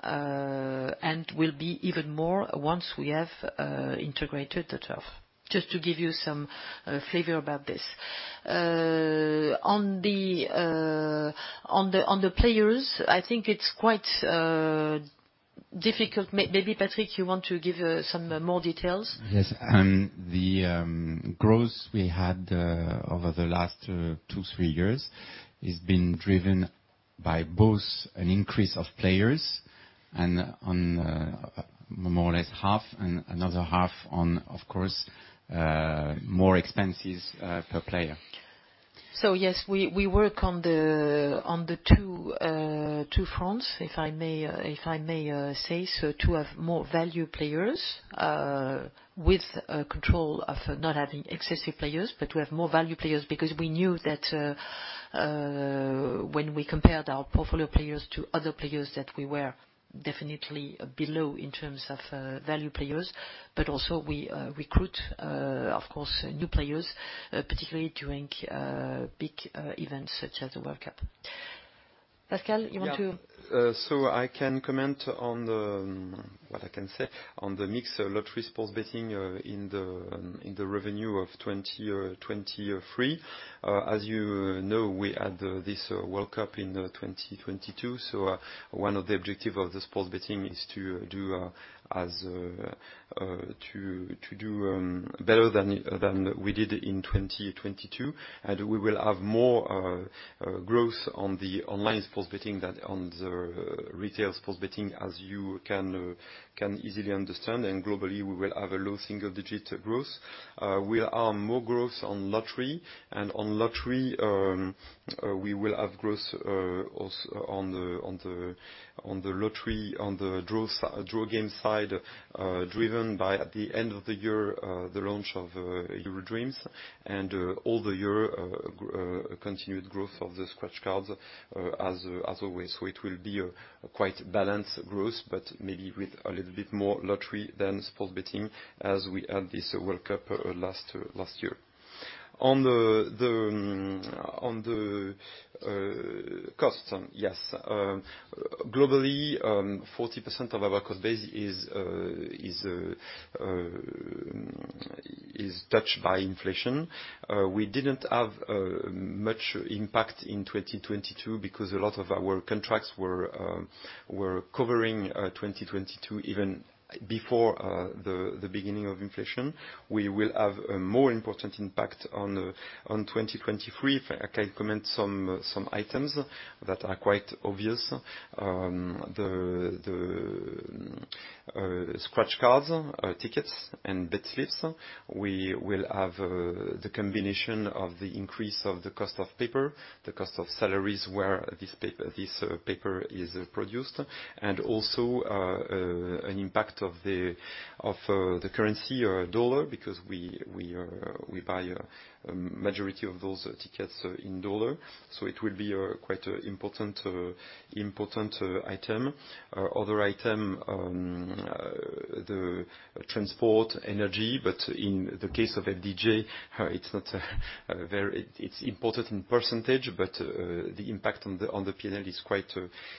and will be even more once we have integrated the Turf. Just to give you some flavor about this. On the players, I think it's quite difficult. Maybe, Patrick, you want to give some more details? Yes. The growth we had over the last two, three years is being driven by both an increase of players and on more or less half and another half on, of course, more expenses per player. Yes, we work on the two fronts, if I may say so, to have more value players, with control of not having excessive players, but to have more value players. We knew that, when we compared our portfolio players to other players, that we were definitely below in terms of value players. Also we recruit, of course, new players, particularly during big events such as the World Cup. Pascal, you want to- Yeah. I can comment on the, what I can say, on the mix lottery sports betting in the revenue of 2023. As you know, we had this World Cup in 2022. One of the objective of the sports betting is to do better than we did in 2022. We will have more growth on the online sports betting than on the retail sports betting, as you can easily understand. Globally, we will have a low single-digit growth. We are more growth on lottery. On lottery, we will have growth on the lottery, on the draw game side, driven by, at the end of the year, the launch of EuroDreams. All the year, continued growth of the scratch cards, as always. It will be a quite balanced growth, but maybe with a little bit more lottery than sports betting as we had this World Cup last year. On the costs, yes. Globally, 40% of our cost base is touched by inflation. We didn't have much impact in 2022 because a lot of our contracts were covering 2022 even before the beginning of inflation. We will have a more important impact on 2023. If I can comment some items that are quite obvious. The scratch cards, tickets and bet slips. We will have the combination of the increase of the cost of paper, the cost of salaries, where this paper is produced, and also an impact of the currency or dollar because we buy a majority of those tickets in dollar, so it will be quite important item. Other item, the transport, energy, in the case of FDJ, it's important in %, but the impact on the P&L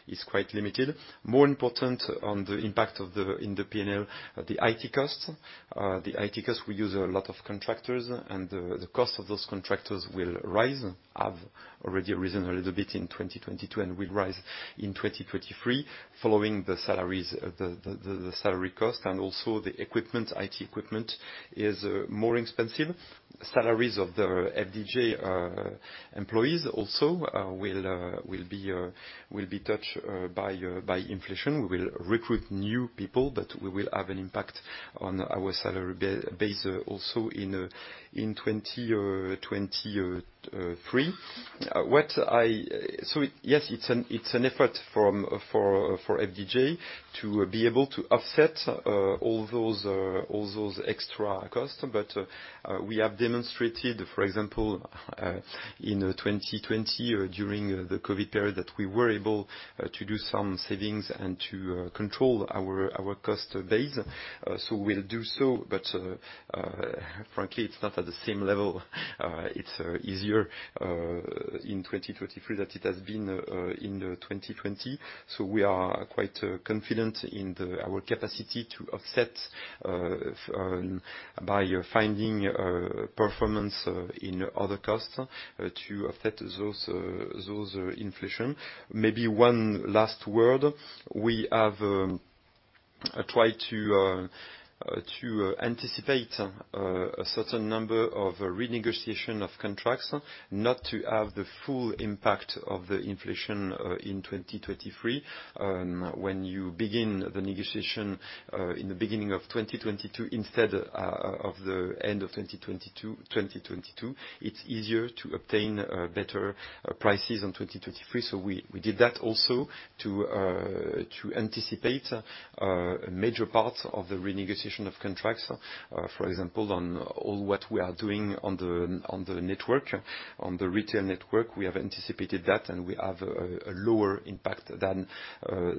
is quite limited. More important on the impact of the, in the P&L, the IT costs. The IT costs, we use a lot of contractors, and the cost of those contractors will rise, have already risen a little bit in 2022 and will rise in 2023 following the salaries, the salary cost and also the equipment, IT equipment is more expensive. Salaries of the FDJ employees also will be touched by inflation. We will recruit new people that will have an impact on our salary base also in 2023. Yes, it's an effort from for FDJ to be able to offset all those extra costs. We have demonstrated, for example, in 2020 or during the COVID period, that we were able to do some savings and to control our cost base, so we'll do so. Frankly, it's not at the same level. It's easier in 2023 than it has been in 2020. We are quite confident in the, our capacity to offset by finding performance in other costs to offset those inflation. Maybe one last word. We have tried to anticipate a certain number of renegotiation of contracts not to have the full impact of the inflation in 2023. When you begin the negotiation in the beginning of 2022 instead of the end of 2022, it's easier to obtain better prices in 2023. We did that also to anticipate major parts of the renegotiation of contracts. For example, on all what we are doing on the network, on the retail network. We have anticipated that, and we have a lower impact than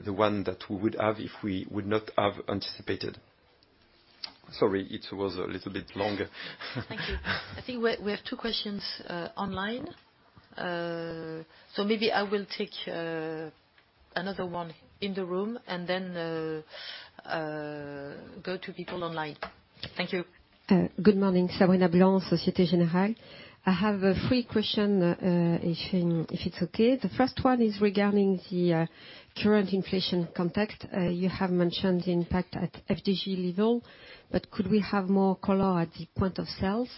the one that we would have if we would not have anticipated. Sorry, it was a little bit long. Thank you. I think we have two questions online. Maybe I will take another one in the room and then go to people online. Thank you. Good morning. Sabrina Blanc, Société Générale. I have a three question, if it's okay. The first one is regarding the current inflation context. You have mentioned the impact at FDJ level, but could we have more color at the point of sales?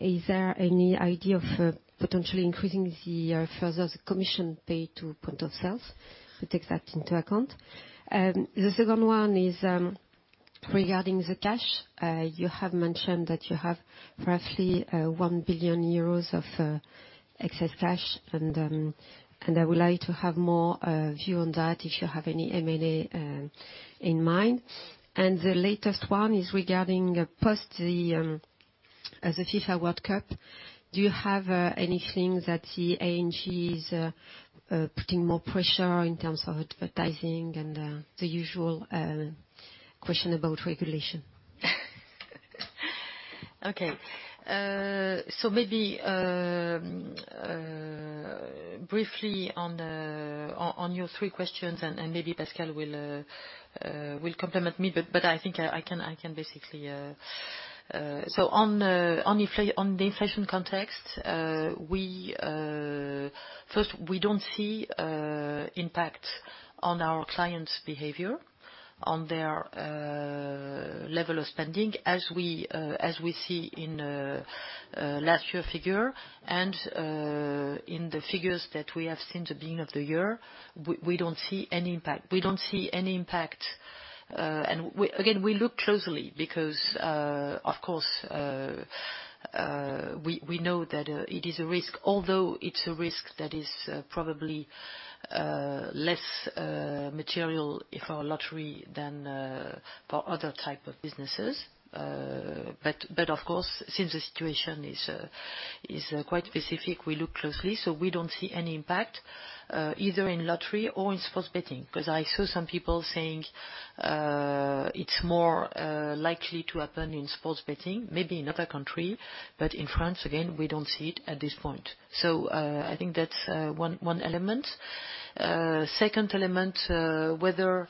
Is there any idea of potentially increasing the further the commission paid to point of sales to take that into account? The second one is regarding the cash. You have mentioned that you have roughly 1 billion euros of excess cash, I would like to have more view on that if you have any M&A in mind. The latest one is regarding post the FIFA World Cup. Do you have anything that the ANJ is putting more pressure in terms of advertising and the usual question about regulation? Okay. Maybe briefly on your three questions and maybe Pascal will complement me, but I think I can basically. On the inflation context, we first, we don't see impact on our clients' behavior, on their level of spending. As we see in last year figure and in the figures that we have seen the beginning of the year, we don't see any impact. We don't see any impact. Again, we look closely because of course, we know that it is a risk, although it's a risk that is probably less material if our lottery than for other type of businesses. Of course, since the situation is quite specific, we look closely. We don't see any impact either in lottery or in sports betting, because I saw some people saying it's more likely to happen in sports betting, maybe in other country. In France, again, we don't see it at this point. I think that's one element. Second element, whether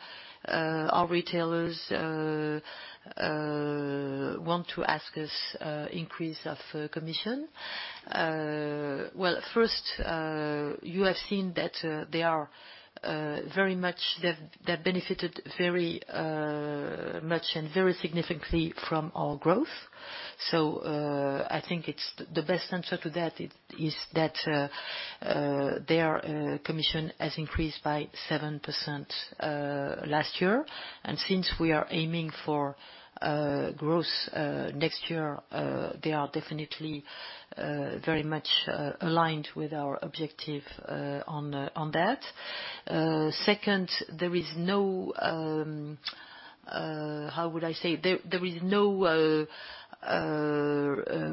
our retailers want to ask us increase of commission. Well, first, you have seen that they've benefited very much and very significantly from our growth. I think the best answer to that is that their commission has increased by 7% last year. Since we are aiming for growth next year, they are definitely very much aligned with our objective on that. Second, there is no, how would I say? There is no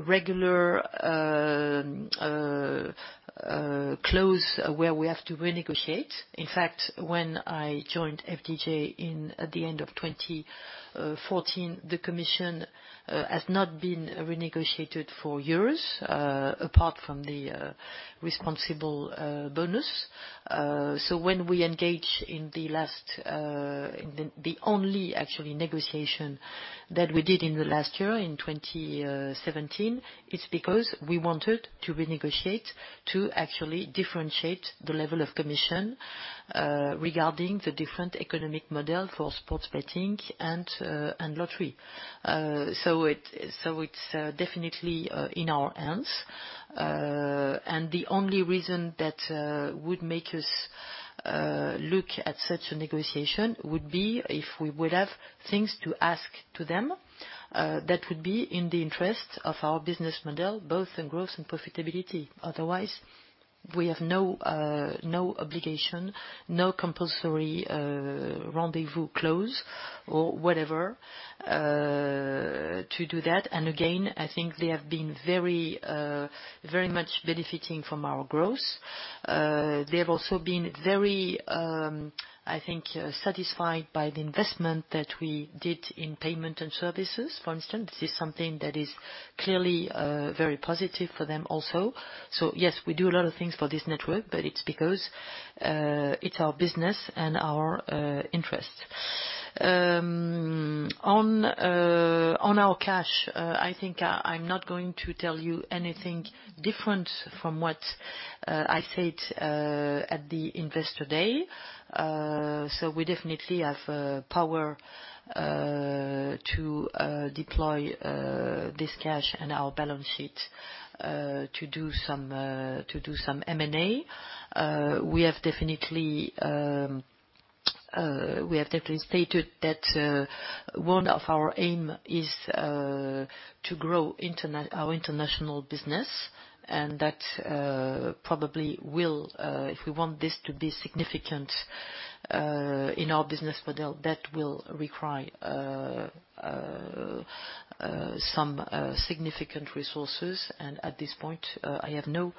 regular close where we have to renegotiate. In fact, when I joined FDJ at the end of 2014, the commission has not been renegotiated for years, apart from the responsible bonus. When we engage in the last, the only actually negotiation that we did in the last year, in 2017, it's because we wanted to renegotiate to actually differentiate the level of commission regarding the different economic model for sports betting and lottery. It's definitely in our hands. The only reason that would make us look at such a negotiation would be if we would have things to ask to them that would be in the interest of our business model, both in growth and profitability. Otherwise, we have no obligation, no compulsory rendezvous clause or whatever to do that. Again, I think they have been very much benefiting from our growth. They have also been very I think satisfied by the investment that we did in payment and services, for instance. This is something that is clearly very positive for them also. Yes, we do a lot of things for this network, but it's because it's our business and our interest. On our cash, I think I'm not going to tell you anything different from what I said at the investor day. We definitely have power to deploy this cash and our balance sheet to do some M&A. We have definitely stated that one of our aim is to grow our international business, and that probably will, if we want this to be significant in our business model, that will require some significant resources. At this point, I have no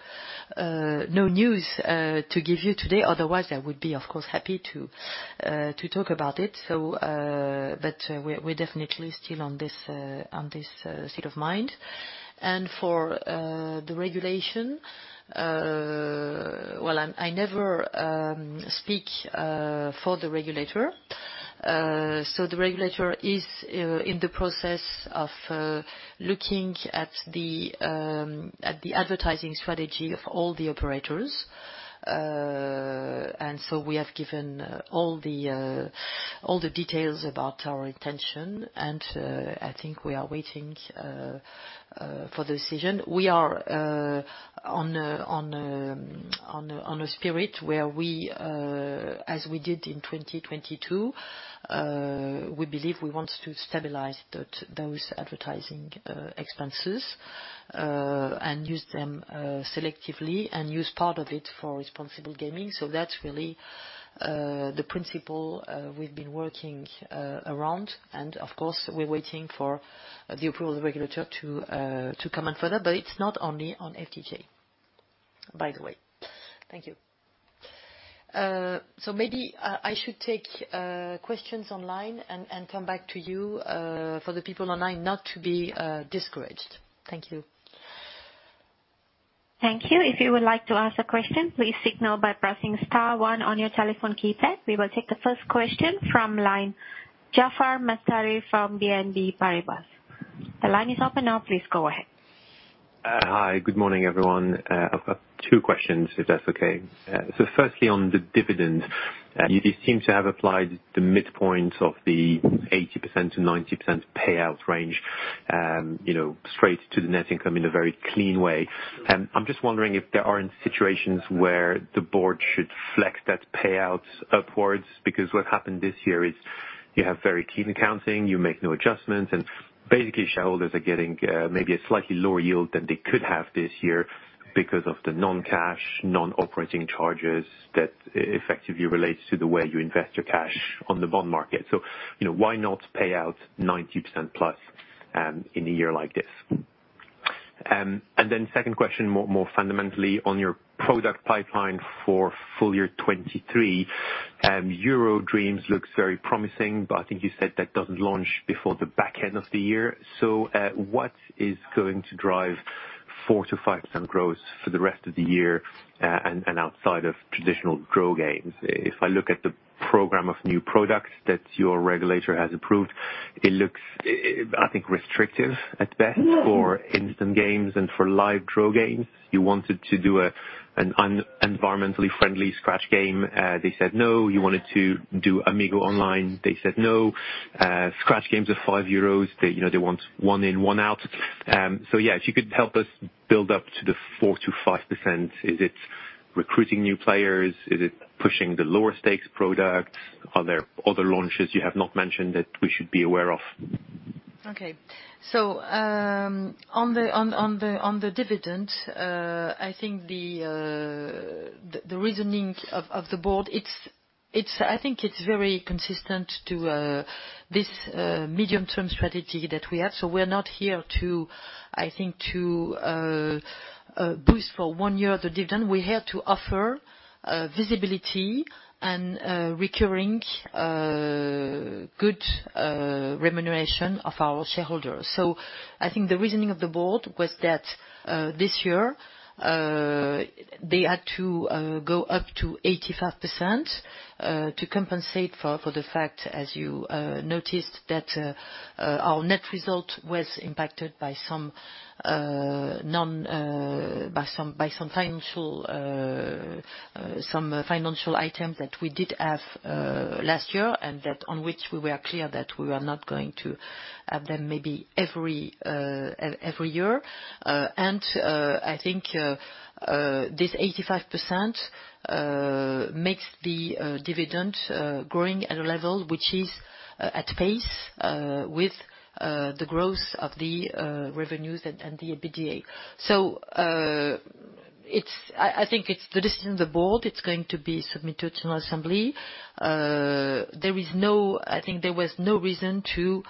news to give you today. Otherwise, I would be, of course, happy to talk about it. But we're definitely still on this state of mind. For the regulation, I never speak for the regulator. The regulator is in the process of looking at the advertising strategy of all the operators. We have given all the details about our intention, and I think we are waiting for the decision. We are on a spirit where we, as we did in 2022, we believe we want to stabilize those advertising expenses and use them selectively and use part of it for responsible gaming. That's really the principle we've been working around. Of course, we're waiting for the approval of the regulator to comment further, but it's not only on FDJ, by the way. Thank you. Maybe I should take questions online and come back to you for the people online not to be discouraged. Thank you. Thank you. If you would like to ask a question, please signal by pressing star one on your telephone keypad. We will take the first question from line Jaafar Mestari from BNP Paribas. The line is open now. Please go ahead. Hi, good morning, everyone. I've got two questions, if that's okay. Firstly, on the dividend, you seem to have applied the midpoint of the 80%-90% payout range, you know, straight to the net income in a very clean way. I'm just wondering if there aren't situations where the board should flex that payout upwards, because what happened this year is you have very clean accounting, you make no adjustments, and basically shareholders are getting, maybe a slightly lower yield than they could have this year because of the non-cash, non-operating charges that effectively relates to the way you invest your cash on the bond market. You know, why not pay out 90% plus in a year like this? Second question, more fundamentally on your product pipeline for full year 2023, EuroDreams looks very promising. I think you said that doesn't launch before the back end of the year. What is going to drive 4%-5% growth for the rest of the year and outside of traditional grow games? If I look at the program of new products that your regulator has approved, it looks, I think restrictive at best for instant games and for live draw games. You wanted to do an environmentally friendly scratch game, they said, no. You wanted to do Amigo online, they said, no. Scratch games are 5 euros. They, you know, they want one in, one out. Yeah, if you could help us build up to the 4%-5%. Is it recruiting new players? Is it pushing the lower stakes product? Are there other launches you have not mentioned that we should be aware of? Okay. on the dividend, I think the reasoning of the board, I think it's very consistent to this medium-term strategy that we have. We're not here to, I think, to boost for one year the dividend. We're here to offer visibility and recurring good remuneration of our shareholders. I think the reasoning of the board was that this year they had to go up to 85% to compensate for the fact, as you noticed, that our net result was impacted by some financial items that we did have last year, and that on which we were clear that we were not going to have them maybe every year. I think this 85% makes the dividend growing at a level which is at pace with the growth of the revenues and the EBITDA. I think it's the decision of the board. It's going to be submitted to an assembly. I think there was no reason to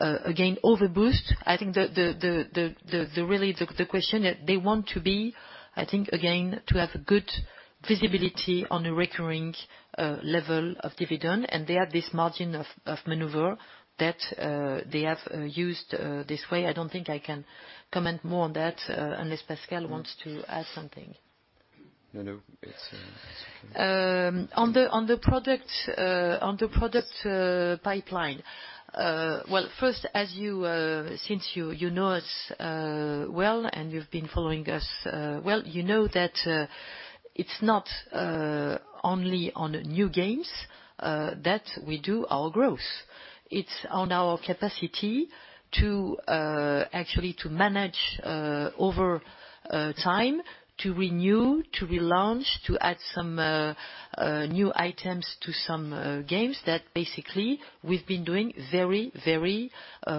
again, overboost. I think the really, the question that they want to be, I think, again, to have good visibility on a recurring level of dividend. They have this margin of maneuver that they have used this way. I don't think I can comment more on that unless Pascal wants to add something. No, no. It's, On the product pipeline. Well, first, as you, since you know us, well, and you've been following us, well, you know that, it's not only on new games that we do our growth. It's on our capacity to actually to manage over time to renew, to relaunch, to add some new items to some games that basically we've been doing very, very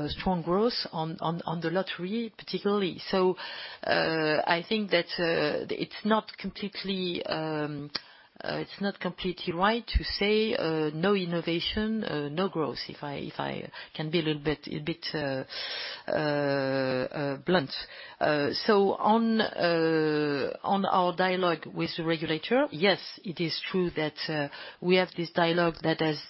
strong growth on the lottery, particularly. I think that it's not completely, it's not completely right to say no innovation, no growth, if I can be a little bit blunt. On our dialogue with the regulator, yes, it is true that we have this dialogue that has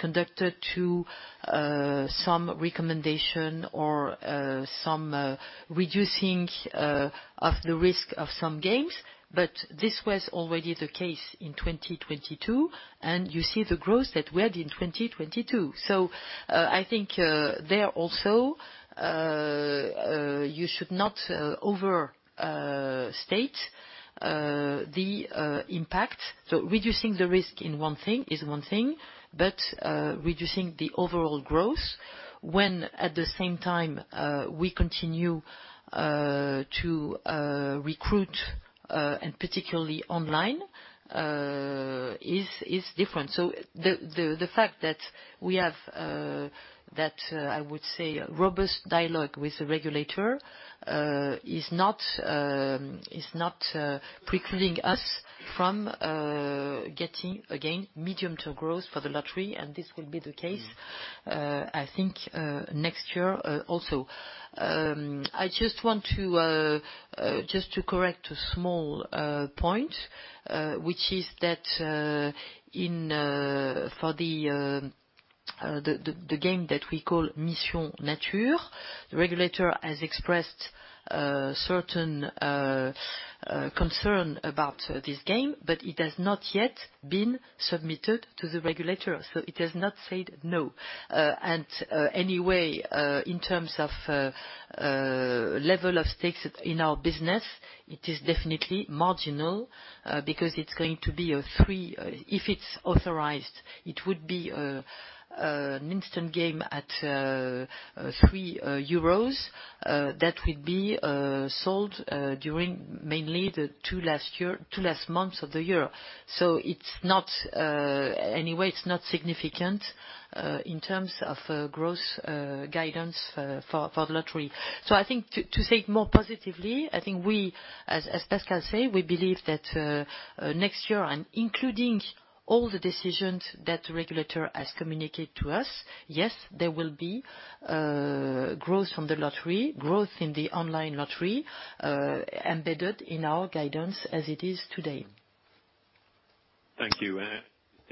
conducted to some recommendation or some reducing of the risk of some games. But this was already the case in 2022, and you see the growth that we had in 2022. I think there also you should not overstate the impact. Reducing the risk in one thing is one thing. But reducing the overall growth when at the same time we continue to recruit, and particularly online, is different. The fact that we have that I would say robust dialogue with the regulator is not precluding us from getting, again, medium-term growth for the lottery, and this will be the case, I think, next year also. I just want to correct a small point which is that in for the game that we call Mission Nature, the regulator has expressed certain concern about this game, but it has not yet been submitted to the regulator. It has not said no. In terms of level of stakes in our business, it is definitely marginal because it's going to be a three-- If it's authorized, it would be an instant game at 3 euros that would be sold during mainly the 2 last months of the year. So it's not anyway, it's not significant in terms of growth guidance for the lottery. So I think to say it more positively, I think we, as Pascal said, we believe that next year and including all the decisions that the regulator has communicated to us, yes, there will be growth from the lottery, growth in the online lottery, embedded in our guidance as it is today. Thank you.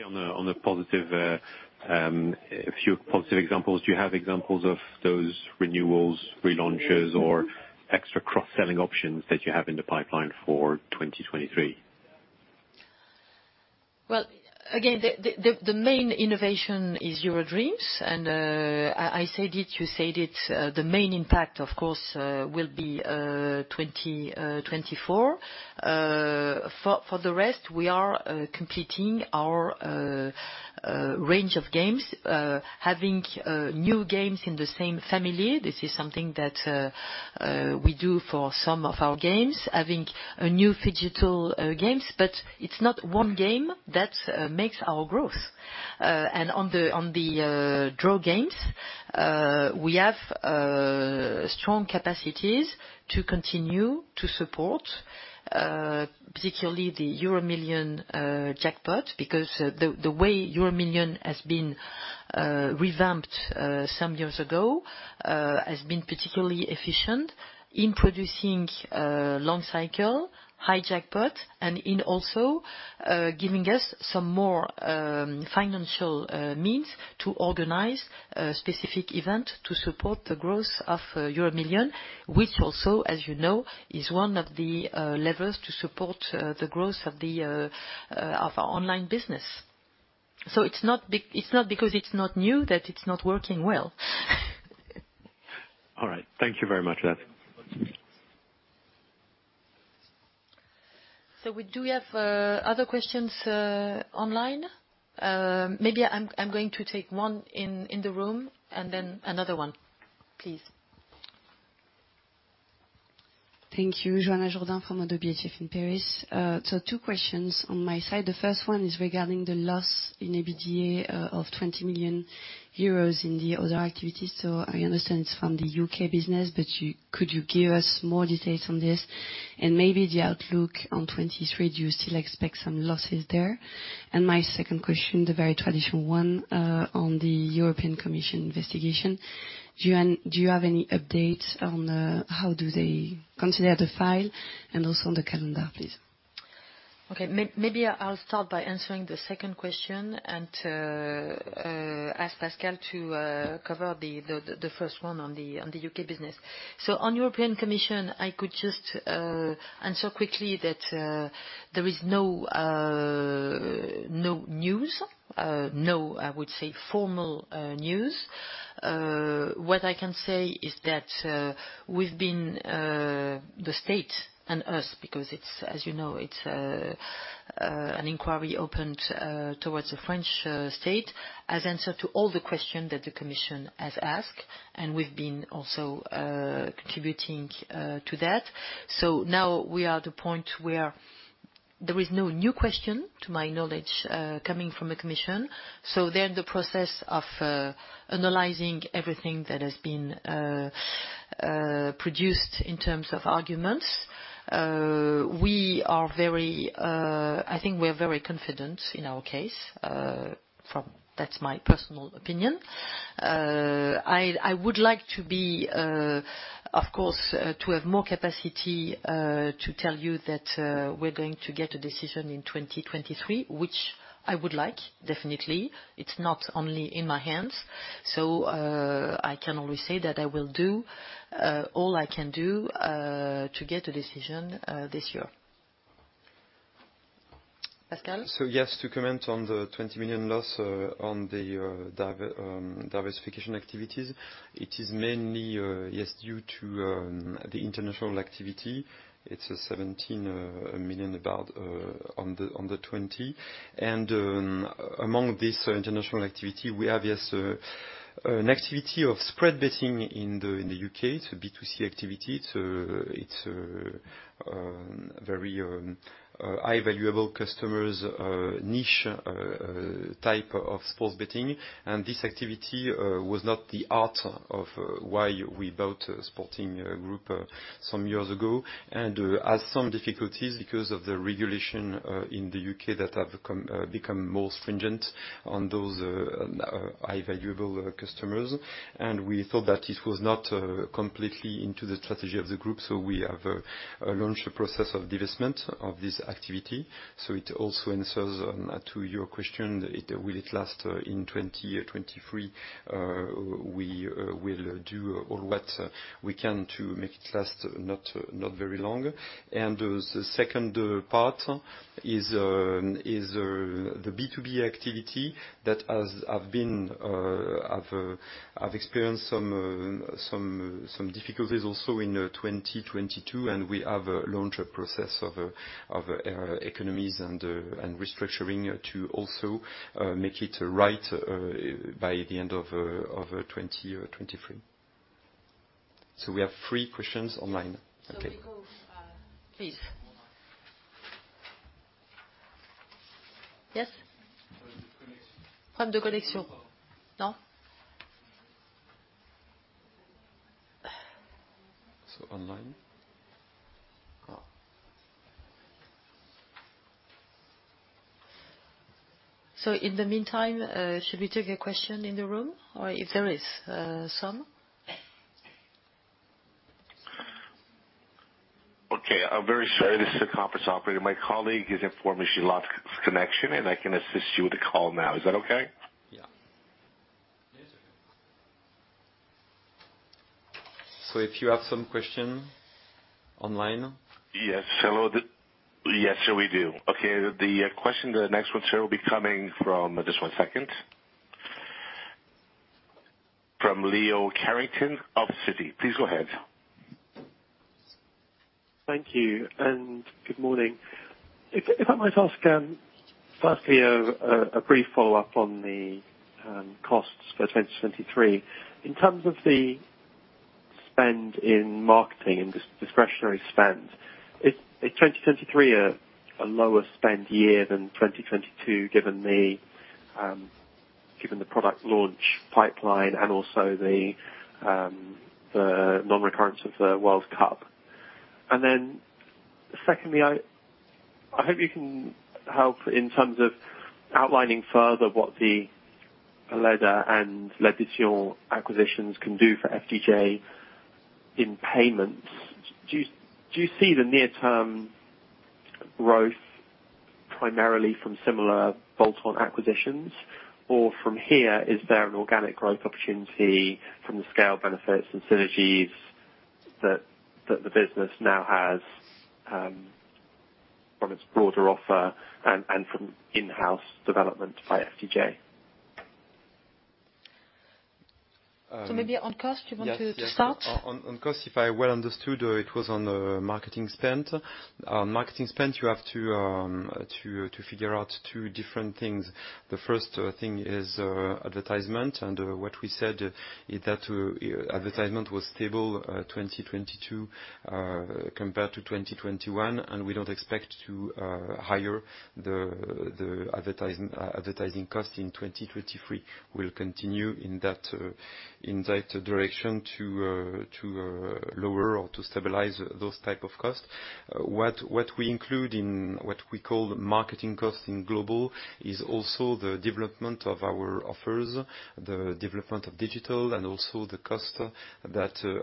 On a positive, a few positive examples. Do you have examples of those renewals, relaunches, or extra cross-selling options that you have in the pipeline for 2023? Well, again, the main innovation is EuroDreams, I said it, you said it. The main impact, of course, will be 2024. For the rest, we are completing our range of games, having new games in the same family. This is something that we do for some of our games, having a new phygital games. It's not one game that makes our growth. On the, on the draw games, we have strong capacities to continue to support, particularly the EuroMillions jackpot because the way EuroMillions has been revamped some years ago, has been particularly efficient in producing long cycle, high jackpot and in also giving us some more financial means to organize a specific event to support the growth of EuroMillions which also, as you know, is one of the levers to support the growth of our online business. It's not because it's not new that it's not working well. All right. Thank you very much. That's it. We do have other questions online? Maybe I'm going to take one in the room and then another one. Please. Thank you. Johanna Jourdain from ODDO BHF in Paris. Two questions on my side. The first one is regarding the loss in EBITDA of 20 million euros in the other activities. I understand it's from the U.K. business, but could you give us more details on this? Maybe the outlook on 2023, do you still expect some losses there? My second question, the very traditional one, on the European Commission investigation. Do you have any updates on how do they consider the file and also on the calendar, please? Okay. Maybe I'll start by answering the second question and to ask Pascal Chaffard to cover the first one on the U.K. business. On European Commission, I could just answer quickly that there is no news, no, I would say formal news. What I can say is that we've been the state and us because it's, as you know, it's an inquiry opened towards the French state as answer to all the question that the Commission has asked, and we've been also contributing to that. Now we are at the point where there is no new question to my knowledge coming from the Commission. They're in the process of analyzing everything that has been produced in terms of arguments. I think we are very confident in our case from... That's my personal opinion. I would like to be, of course, to have more capacity to tell you that we're going to get a decision in 2023, which I would like definitely. It's not only in my hands. I can only say that I will do all I can do to get a decision this year. Pascal? Yes, to comment on the 20 million loss on the diversification activities. It is mainly, yes, due to the international activity. It's 17 million about on the 20 million. Among this international activity we have, yes, an activity of spread betting in the U.K. It's a B2C activity, it's a very high valuable customers niche type of sports betting. This activity was not the heart of why we bought Sporting Group some years ago and has some difficulties because of the regulation in the U.K. that have become more stringent on those high valuable customers. We thought that it was not completely into the strategy of the group, we have launched a process of divestment of this activity. It also answers to your question, it, will it last in 2023? We will do all what we can to make it last not very long. The second part is the B2B activity that has been experienced some difficulties also in 2022. We have launched a process of economies and restructuring to also make it right by the end of 2023. We have 3 questions online. Okay. We go, please. Yes? No? online? Oh. In the meantime, should we take a question in the room or if there is some? Okay. I'm very sorry. This is a conference operator. My colleague has informed me she lost connection, and I can assist you with the call now. Is that okay? Yeah. If you have some question online. Yes. Hello. Yes, sir, we do. Okay. The question, the next one, sir, will be coming from... Just one second. From Leo Carrington of Citi. Please go ahead. Thank you. Good morning. If I might ask, firstly a brief follow-up on the costs for 2023. In terms of the spend in marketing and discretionary spend, is 2023 a lower spend year than 2022, given the product launch pipeline and also the non-recurrence of the World Cup? Then secondly, I hope you can help in terms of outlining further what the Aleda and L'Addition acquisitions can do for FDJ in payments. Do you see the near-term growth primarily from similar bolt-on acquisitions? Or from here, is there an organic growth opportunity from the scale benefits and synergies that the business now has from its broader offer and from in-house development by FDJ? Maybe on cost, you want to start? Yes. On cost, if I well understood, it was on marketing spend. On marketing spend, you have to figure out two different things. The first thing is advertisement. What we said is that advertisement was stable 2022 compared to 2021, and we don't expect to higher the advertising cost in 2023. We'll continue in that direction to lower or to stabilize those type of costs. What we include in what we call marketing costs in global is also the development of our offers, the development of digital and also the cost that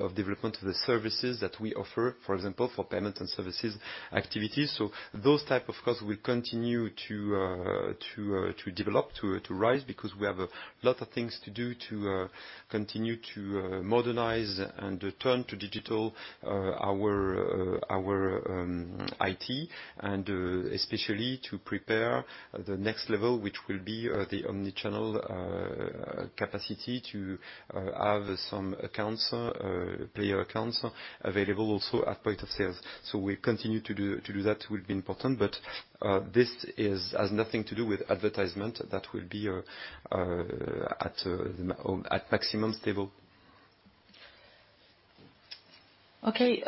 of development of the services that we offer, for example, for payment and services activities. Those type of costs will continue to develop, to rise, because we have a lot of things to do to continue to modernize and turn to digital our IT, and especially to prepare the next level, which will be the omni-channel capacity to have some accounts, player accounts available also at point of sales. We continue to do that will be important. This has nothing to do with advertisement. That will be at maximum stable. Okay.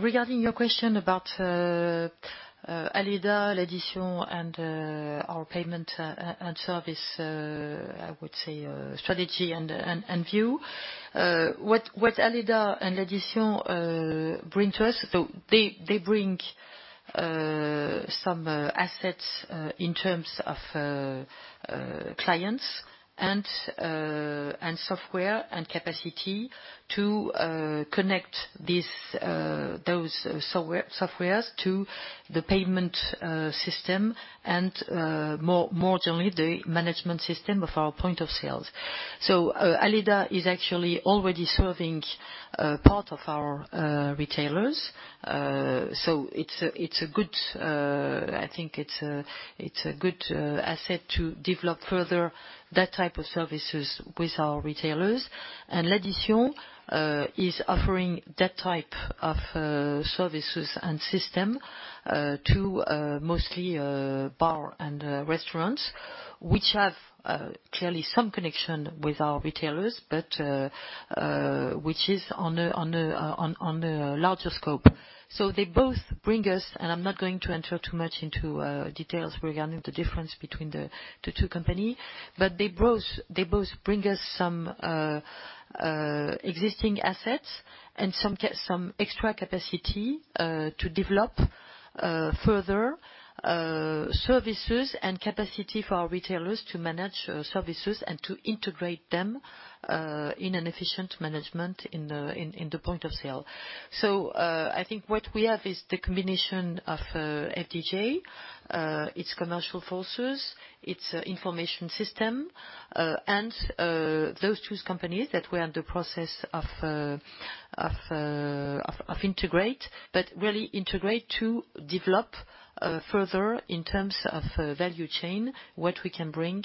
Regarding your question about Aleda, L'Addition, and service, I would say strategy and view. What Aleda and L'Addition bring to us, they bring some assets in terms of clients and software and capacity to connect this, those softwares to the payment system and more generally, the management system of our point of sales. Aleda is actually already serving a part of our retailers. It's a good, I think it's a good asset to develop further that type of services with our retailers. L'Addition is offering that type of services and system to mostly bar and restaurants, which have clearly some connection with our retailers, but which is on a larger scope. They both bring us, and I'm not going to enter too much into details regarding the difference between the two company, but they both bring us some existing assets and some extra capacity to develop further services and capacity for our retailers to manage services and to integrate them in an efficient management in the point of sale. I think what we have is the combination of FDJ, its commercial forces, its information system, and those two companies that we are in the process of integrate, but really integrate to develop further in terms of value chain, what we can bring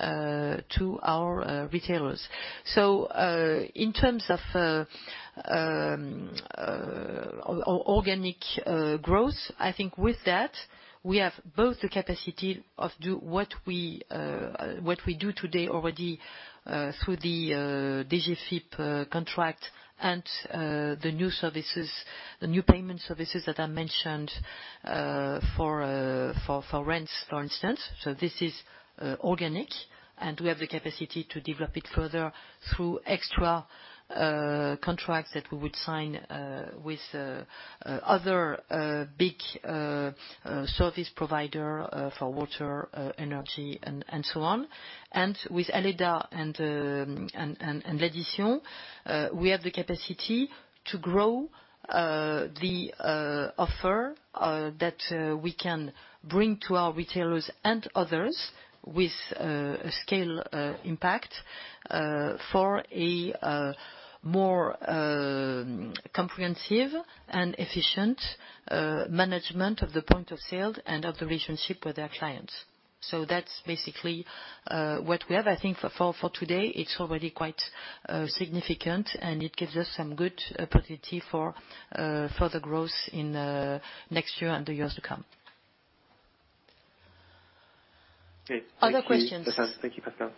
to our retailers. In terms of organic growth, I think with that, we have both the capacity of do what we do today already, through the Digicip contract and the new services, the new payment services that I mentioned for rents, for instance. This is organic, and we have the capacity to develop it further through extra contracts that we would sign with other big service provider for water, energy, and so on. With Aleda and L'Addition, we have the capacity to grow the offer that we can bring to our retailers and others with a scale impact for a more comprehensive and efficient management of the point of sale and of the relationship with their clients. That's basically what we have. I think for today, it's already quite significant, and it gives us some good opportunity for further growth in next year and the years to come. Okay. Thank you. Other questions. Thank you, Pascal.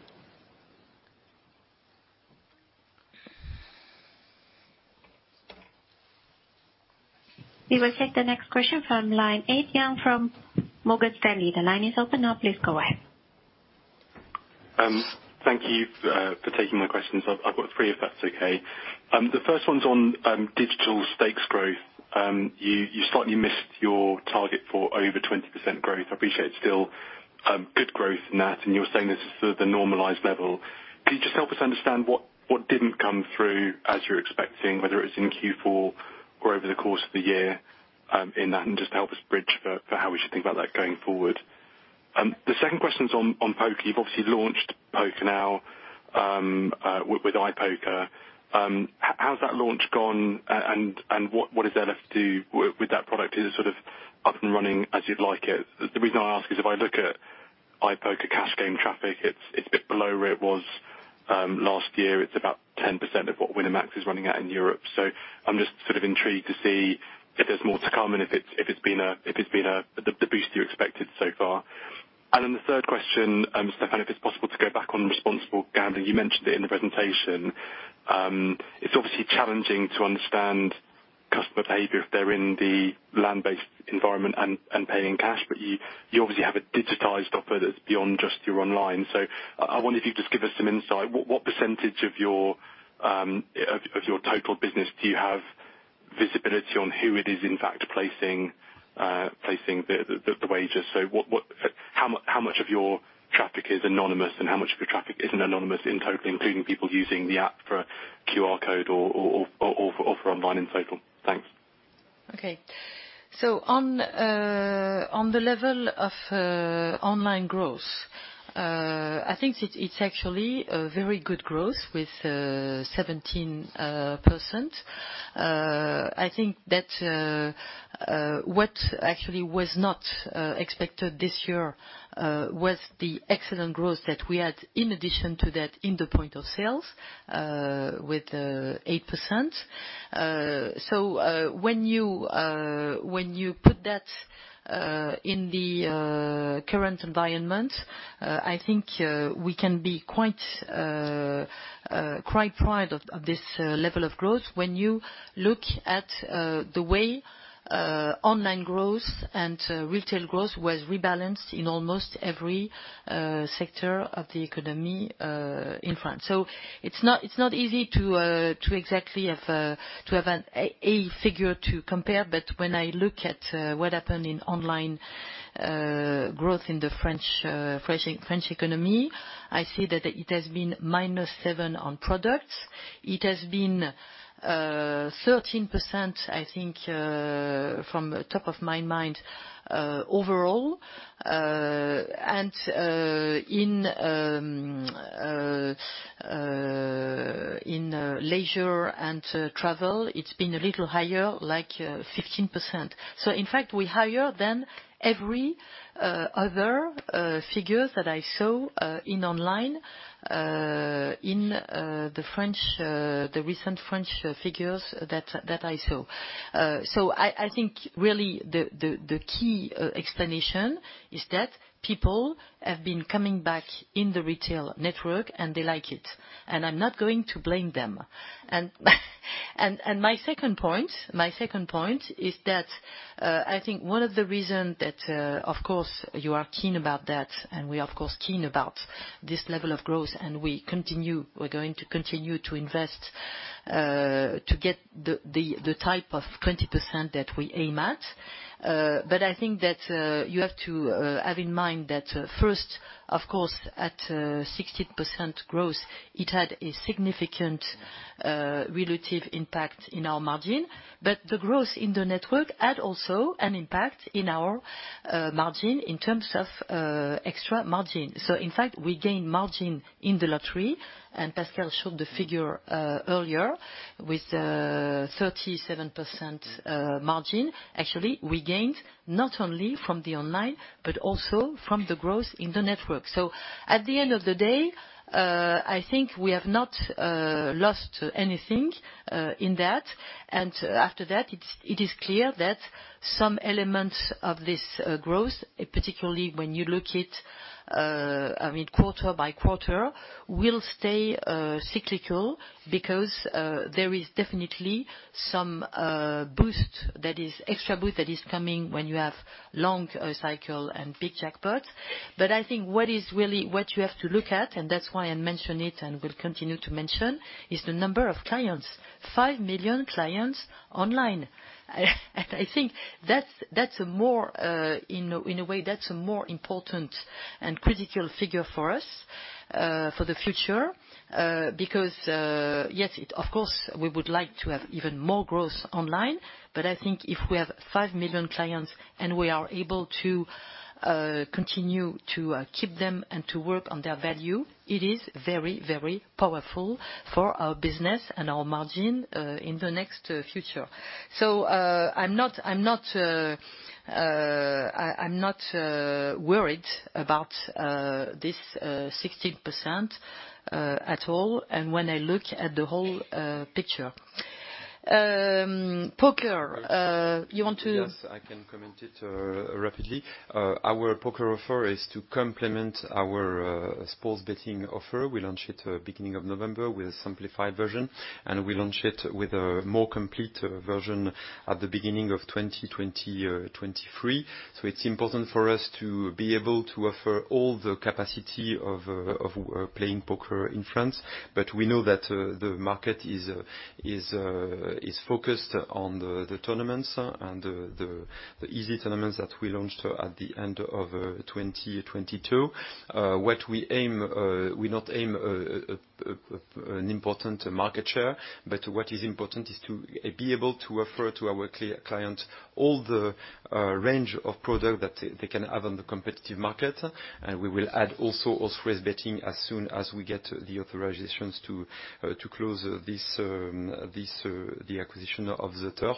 We will take the next question from line Ed Young from Morgan Stanley. The line is open now, please go ahead. Thank you for taking my questions. I've got three if that's okay. The first one's on digital stakes growth. You slightly missed your target for over 20% growth. I appreciate it's still good growth in that, and you're saying this is the normalized level. Can you just help us understand what didn't come through as you were expecting, whether it's in Q4 or over the course of the year, in that? And just help us bridge for how we should think about that going forward. The second question's on poker. You've obviously launched poker now with iPoker. How's that launch gone and what is there left to do with that product? Is it sort of up and running as you'd like it? The reason I ask is if I look at iPoker cash game traffic, it's a bit below where it was last year. It's about 10% of what Winamax is running at in Europe. I'm just sort of intrigued to see if there's more to come and if it's been the boost you expected so far. The third question, Stéphane, if it's possible to go back on responsible gambling. You mentioned it in the presentation. It's obviously challenging to understand customer behavior if they're in the land-based environment and paying cash, but you obviously have a digitized offer that's beyond just your online. I wonder if you could just give us some insight. What % of your of your total business do you have visibility on who it is in fact placing the wagers? What how much of your traffic is anonymous and how much of your traffic isn't anonymous in total, including people using the app for a QR code or for online in total? Thanks. On the level of online growth, I think it's actually a very good growth with 17%. I think that what actually was not expected this year, was the excellent growth that we had in addition to that in the point of sales, with 8%. When you put that in the current environment, I think we can be quite proud of this level of growth when you look at the way online growth and retail growth was rebalanced in almost every sector of the economy in France. It's not, it's not easy to exactly have to have a figure to compare. When I look at what happened in online growth in the French economy, I see that it has been -7% on products. It has been 13%, I think, from top of my mind, overall. In leisure and travel, it's been a little higher, like 15%. In fact, we're higher than every other figures that I saw in online in the French, the recent French figures that I saw. I think really the key explanation is that people have been coming back in the retail network, and they like it. I'm not going to blame them. My second point is that, I think one of the reason that, of course you are keen about that, and we're of course keen about this level of growth, and we continue, we're going to continue to invest, to get the type of 20% that we aim at. I think that you have to have in mind that first, of course, at 16% growth, it had a significant relative impact in our margin. The growth in the network had also an impact in our margin in terms of extra margin. In fact, we gained margin in the lottery, and Pascal showed the figure earlier with 37% margin. Actually, we gained not only from the online, but also from the growth in the network. At the end of the day, I think we have not lost anything in that. After that it is clear that some elements of this growth, particularly when you look at, I mean, quarter by quarter, will stay cyclical because there is definitely some boost that is, extra boost that is coming when you have long cycle and big jackpots. I think what is really, what you have to look at, and that's why I mention it and will continue to mention, is the number of clients, 5 million clients online. I think that's a more, in a way, that's a more important and critical figure for us for the future. Yes, it of course we would like to have even more growth online, but I think if we have 5 million clients and we are able to continue to keep them and to work on their value, it is very, very powerful for our business and our margin in the next future. I'm not worried about this 16%, at all and when I look at the whole picture. Poker, you want to? Yes, I can comment it rapidly. Our poker offer is to complement our sports betting offer. We launch it beginning of November with a simplified version, and we launch it with a more complete version at the beginning of 2023. It's important for us to be able to offer all the capacity of playing poker in France. We know that the market is focused on the tournaments and the easy tournaments that we launched at the end of 2022. What we aim, we not aim an important market share. What is important is to be able to offer to our client all the range of product that they can have on the competitive market. We will add also horse racing betting as soon as we get the authorizations to close this, the acquisition of ZEturf.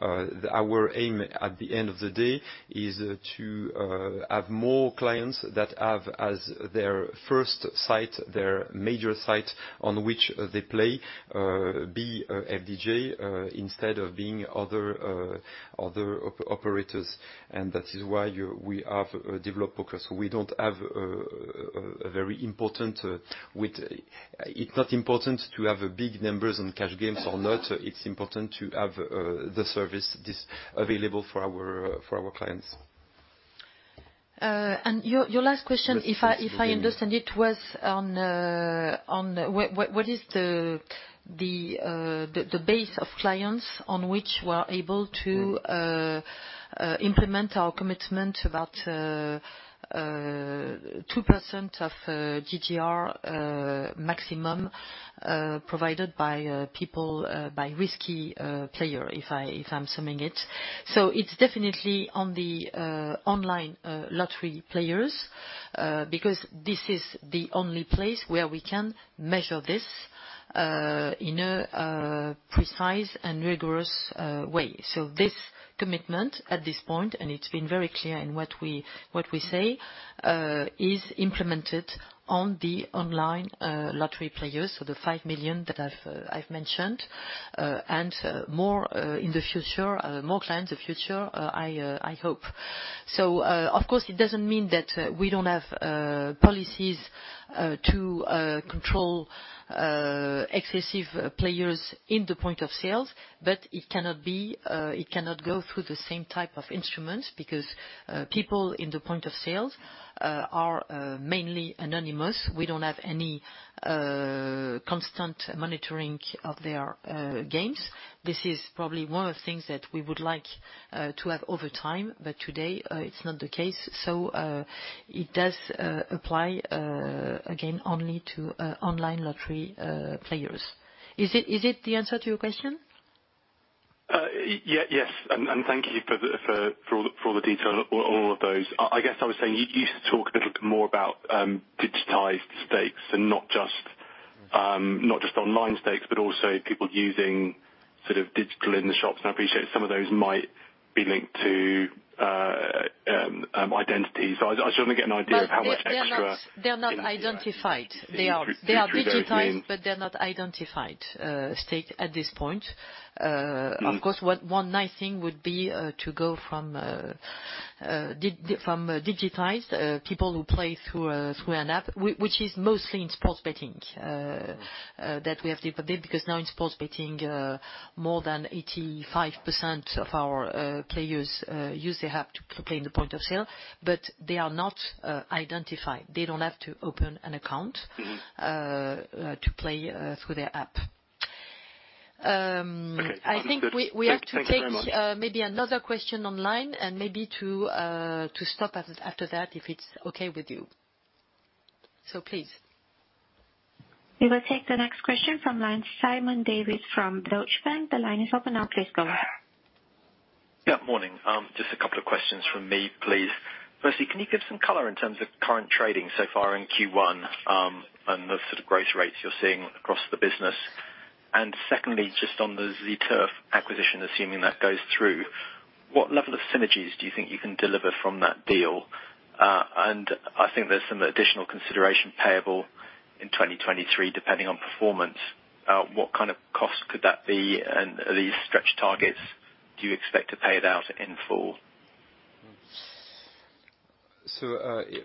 Our aim at the end of the day is to have more clients that have as their first site, their major site on which they play, be FDJ instead of being other operators. That is why we have developed poker. We don't have a very important. It's not important to have big numbers on cash games or not. It's important to have the service this available for our, for our clients. Your last question. Yes, please. If I understand it, was on what is the base of clients on which we're able to. Mm-hmm. implement our commitment about 2% of GGR maximum provided by people by risky player, if I'm summing it. it's definitely on the online lottery players because this is the only place where we can measure this in a precise and rigorous way. This commitment at this point, and it's been very clear in what we say, is implemented on the online lottery players. The 5 million that I've mentioned, and more in the future, more clients the future, I hope. Of course, it doesn't mean that we don't have policies to control excessive players in the point of sales. It cannot be, it cannot go through the same type of instruments because people in the point of sales are mainly anonymous. We don't have any constant monitoring of their games. This is probably one of the things that we would like to have over time. Today, it's not the case. It does apply again, only to online lottery players. Is it the answer to your question? yes. And thank you for all the detail, all of those. I guess I was saying you used to talk a little bit more about digitized stakes and not just online stakes, but also people using sort of digital in the shops. And I appreciate some of those might be linked to identity. So I just want to get an idea of how much Well, they're not identified. They They are digitized, but they're not identified, stake at this point. Mm-hmm. Of course, one nice thing would be to go from digitized people who play through an app, which is mostly in sports betting that we have deployed. Now in sports betting, more than 85% of our players use the app to play in the point of sale, but they are not identified. They don't have to open an account. Mm-hmm. to play through their app. Okay. I think. Sounds good. We have to. Thank you very much. Maybe another question online and maybe to stop at, after that, if it's okay with you. Please. We will take the next question from line Simon Davies from Deutsche Bank. The line is open now. Please go ahead. Yeah. Morning. Just a couple of questions from me, please. Firstly, can you give some color in terms of current trading so far in Q1, and the sort of growth rates you're seeing across the business? Secondly, just on the ZEturf acquisition, assuming that goes through, what level of synergies do you think you can deliver from that deal? I think there's some additional consideration payable in 2023 depending on performance. What kind of cost could that be? Are these stretch targets, do you expect to pay it out in full?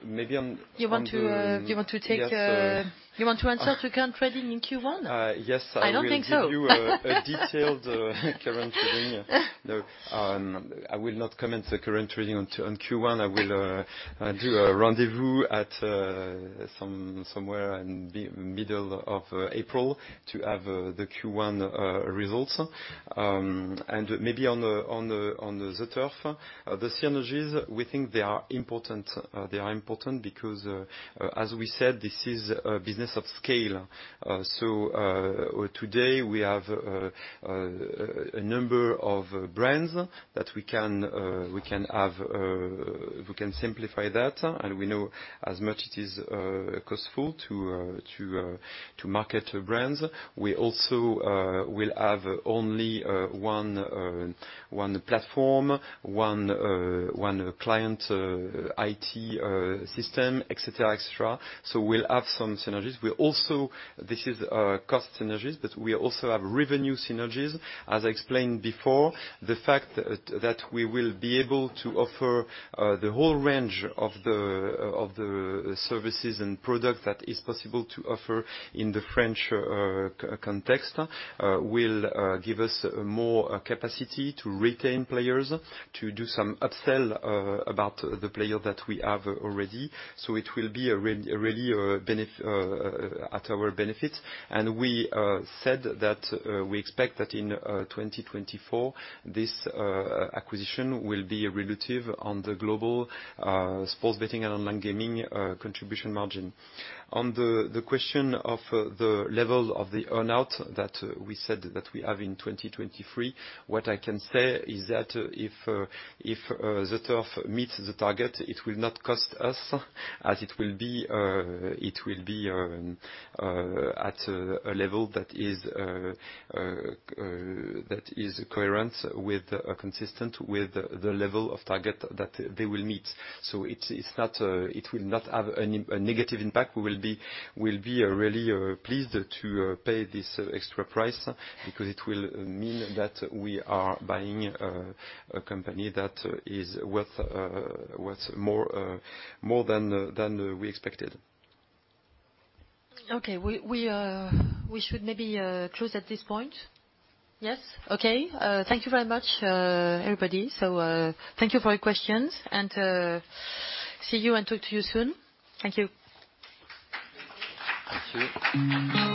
Maybe on. You want to take. Yes. You want to answer the current trading in Q1? Yes. I don't think so. I will give you a detailed current trading. No, I will not comment the current trading on Q1. I will do a rendezvous at somewhere in middle of April to have the Q1 results. And maybe on the ZEturf, the synergies, we think they are important. They are important because as we said, this is a business of scale. Today we have a number of brands that we can have, we can simplify that. We know as much it is costly to market brands. We also will have only one platform, one client IT system, et cetera, et cetera. We'll have some synergies. We also... This is cost synergies, but we also have revenue synergies. As I explained before, the fact that we will be able to offer the whole range of the services and products that is possible to offer in the French context will give us more capacity to retain players, to do some upsell about the player that we have already. So it will be really a benefit at our benefit. And we said that we expect that in 2024, this acquisition will be relative on the global sports betting and online gaming contribution margin. On the question of the level of the earn-out that we said that we have in 2023, what I can say is that if ZEturf meets the target, it will not cost us as it will be at a level that is coherent with consistent with the level of target that they will meet. It's not, it will not have a negative impact. We will be really pleased to pay this extra price because it will mean that we are buying a company that is worth more than we expected. Okay. We should maybe close at this point. Yes? Okay. Thank you very much, everybody. Thank you for your questions and see you and talk to you soon. Thank you. Thank you.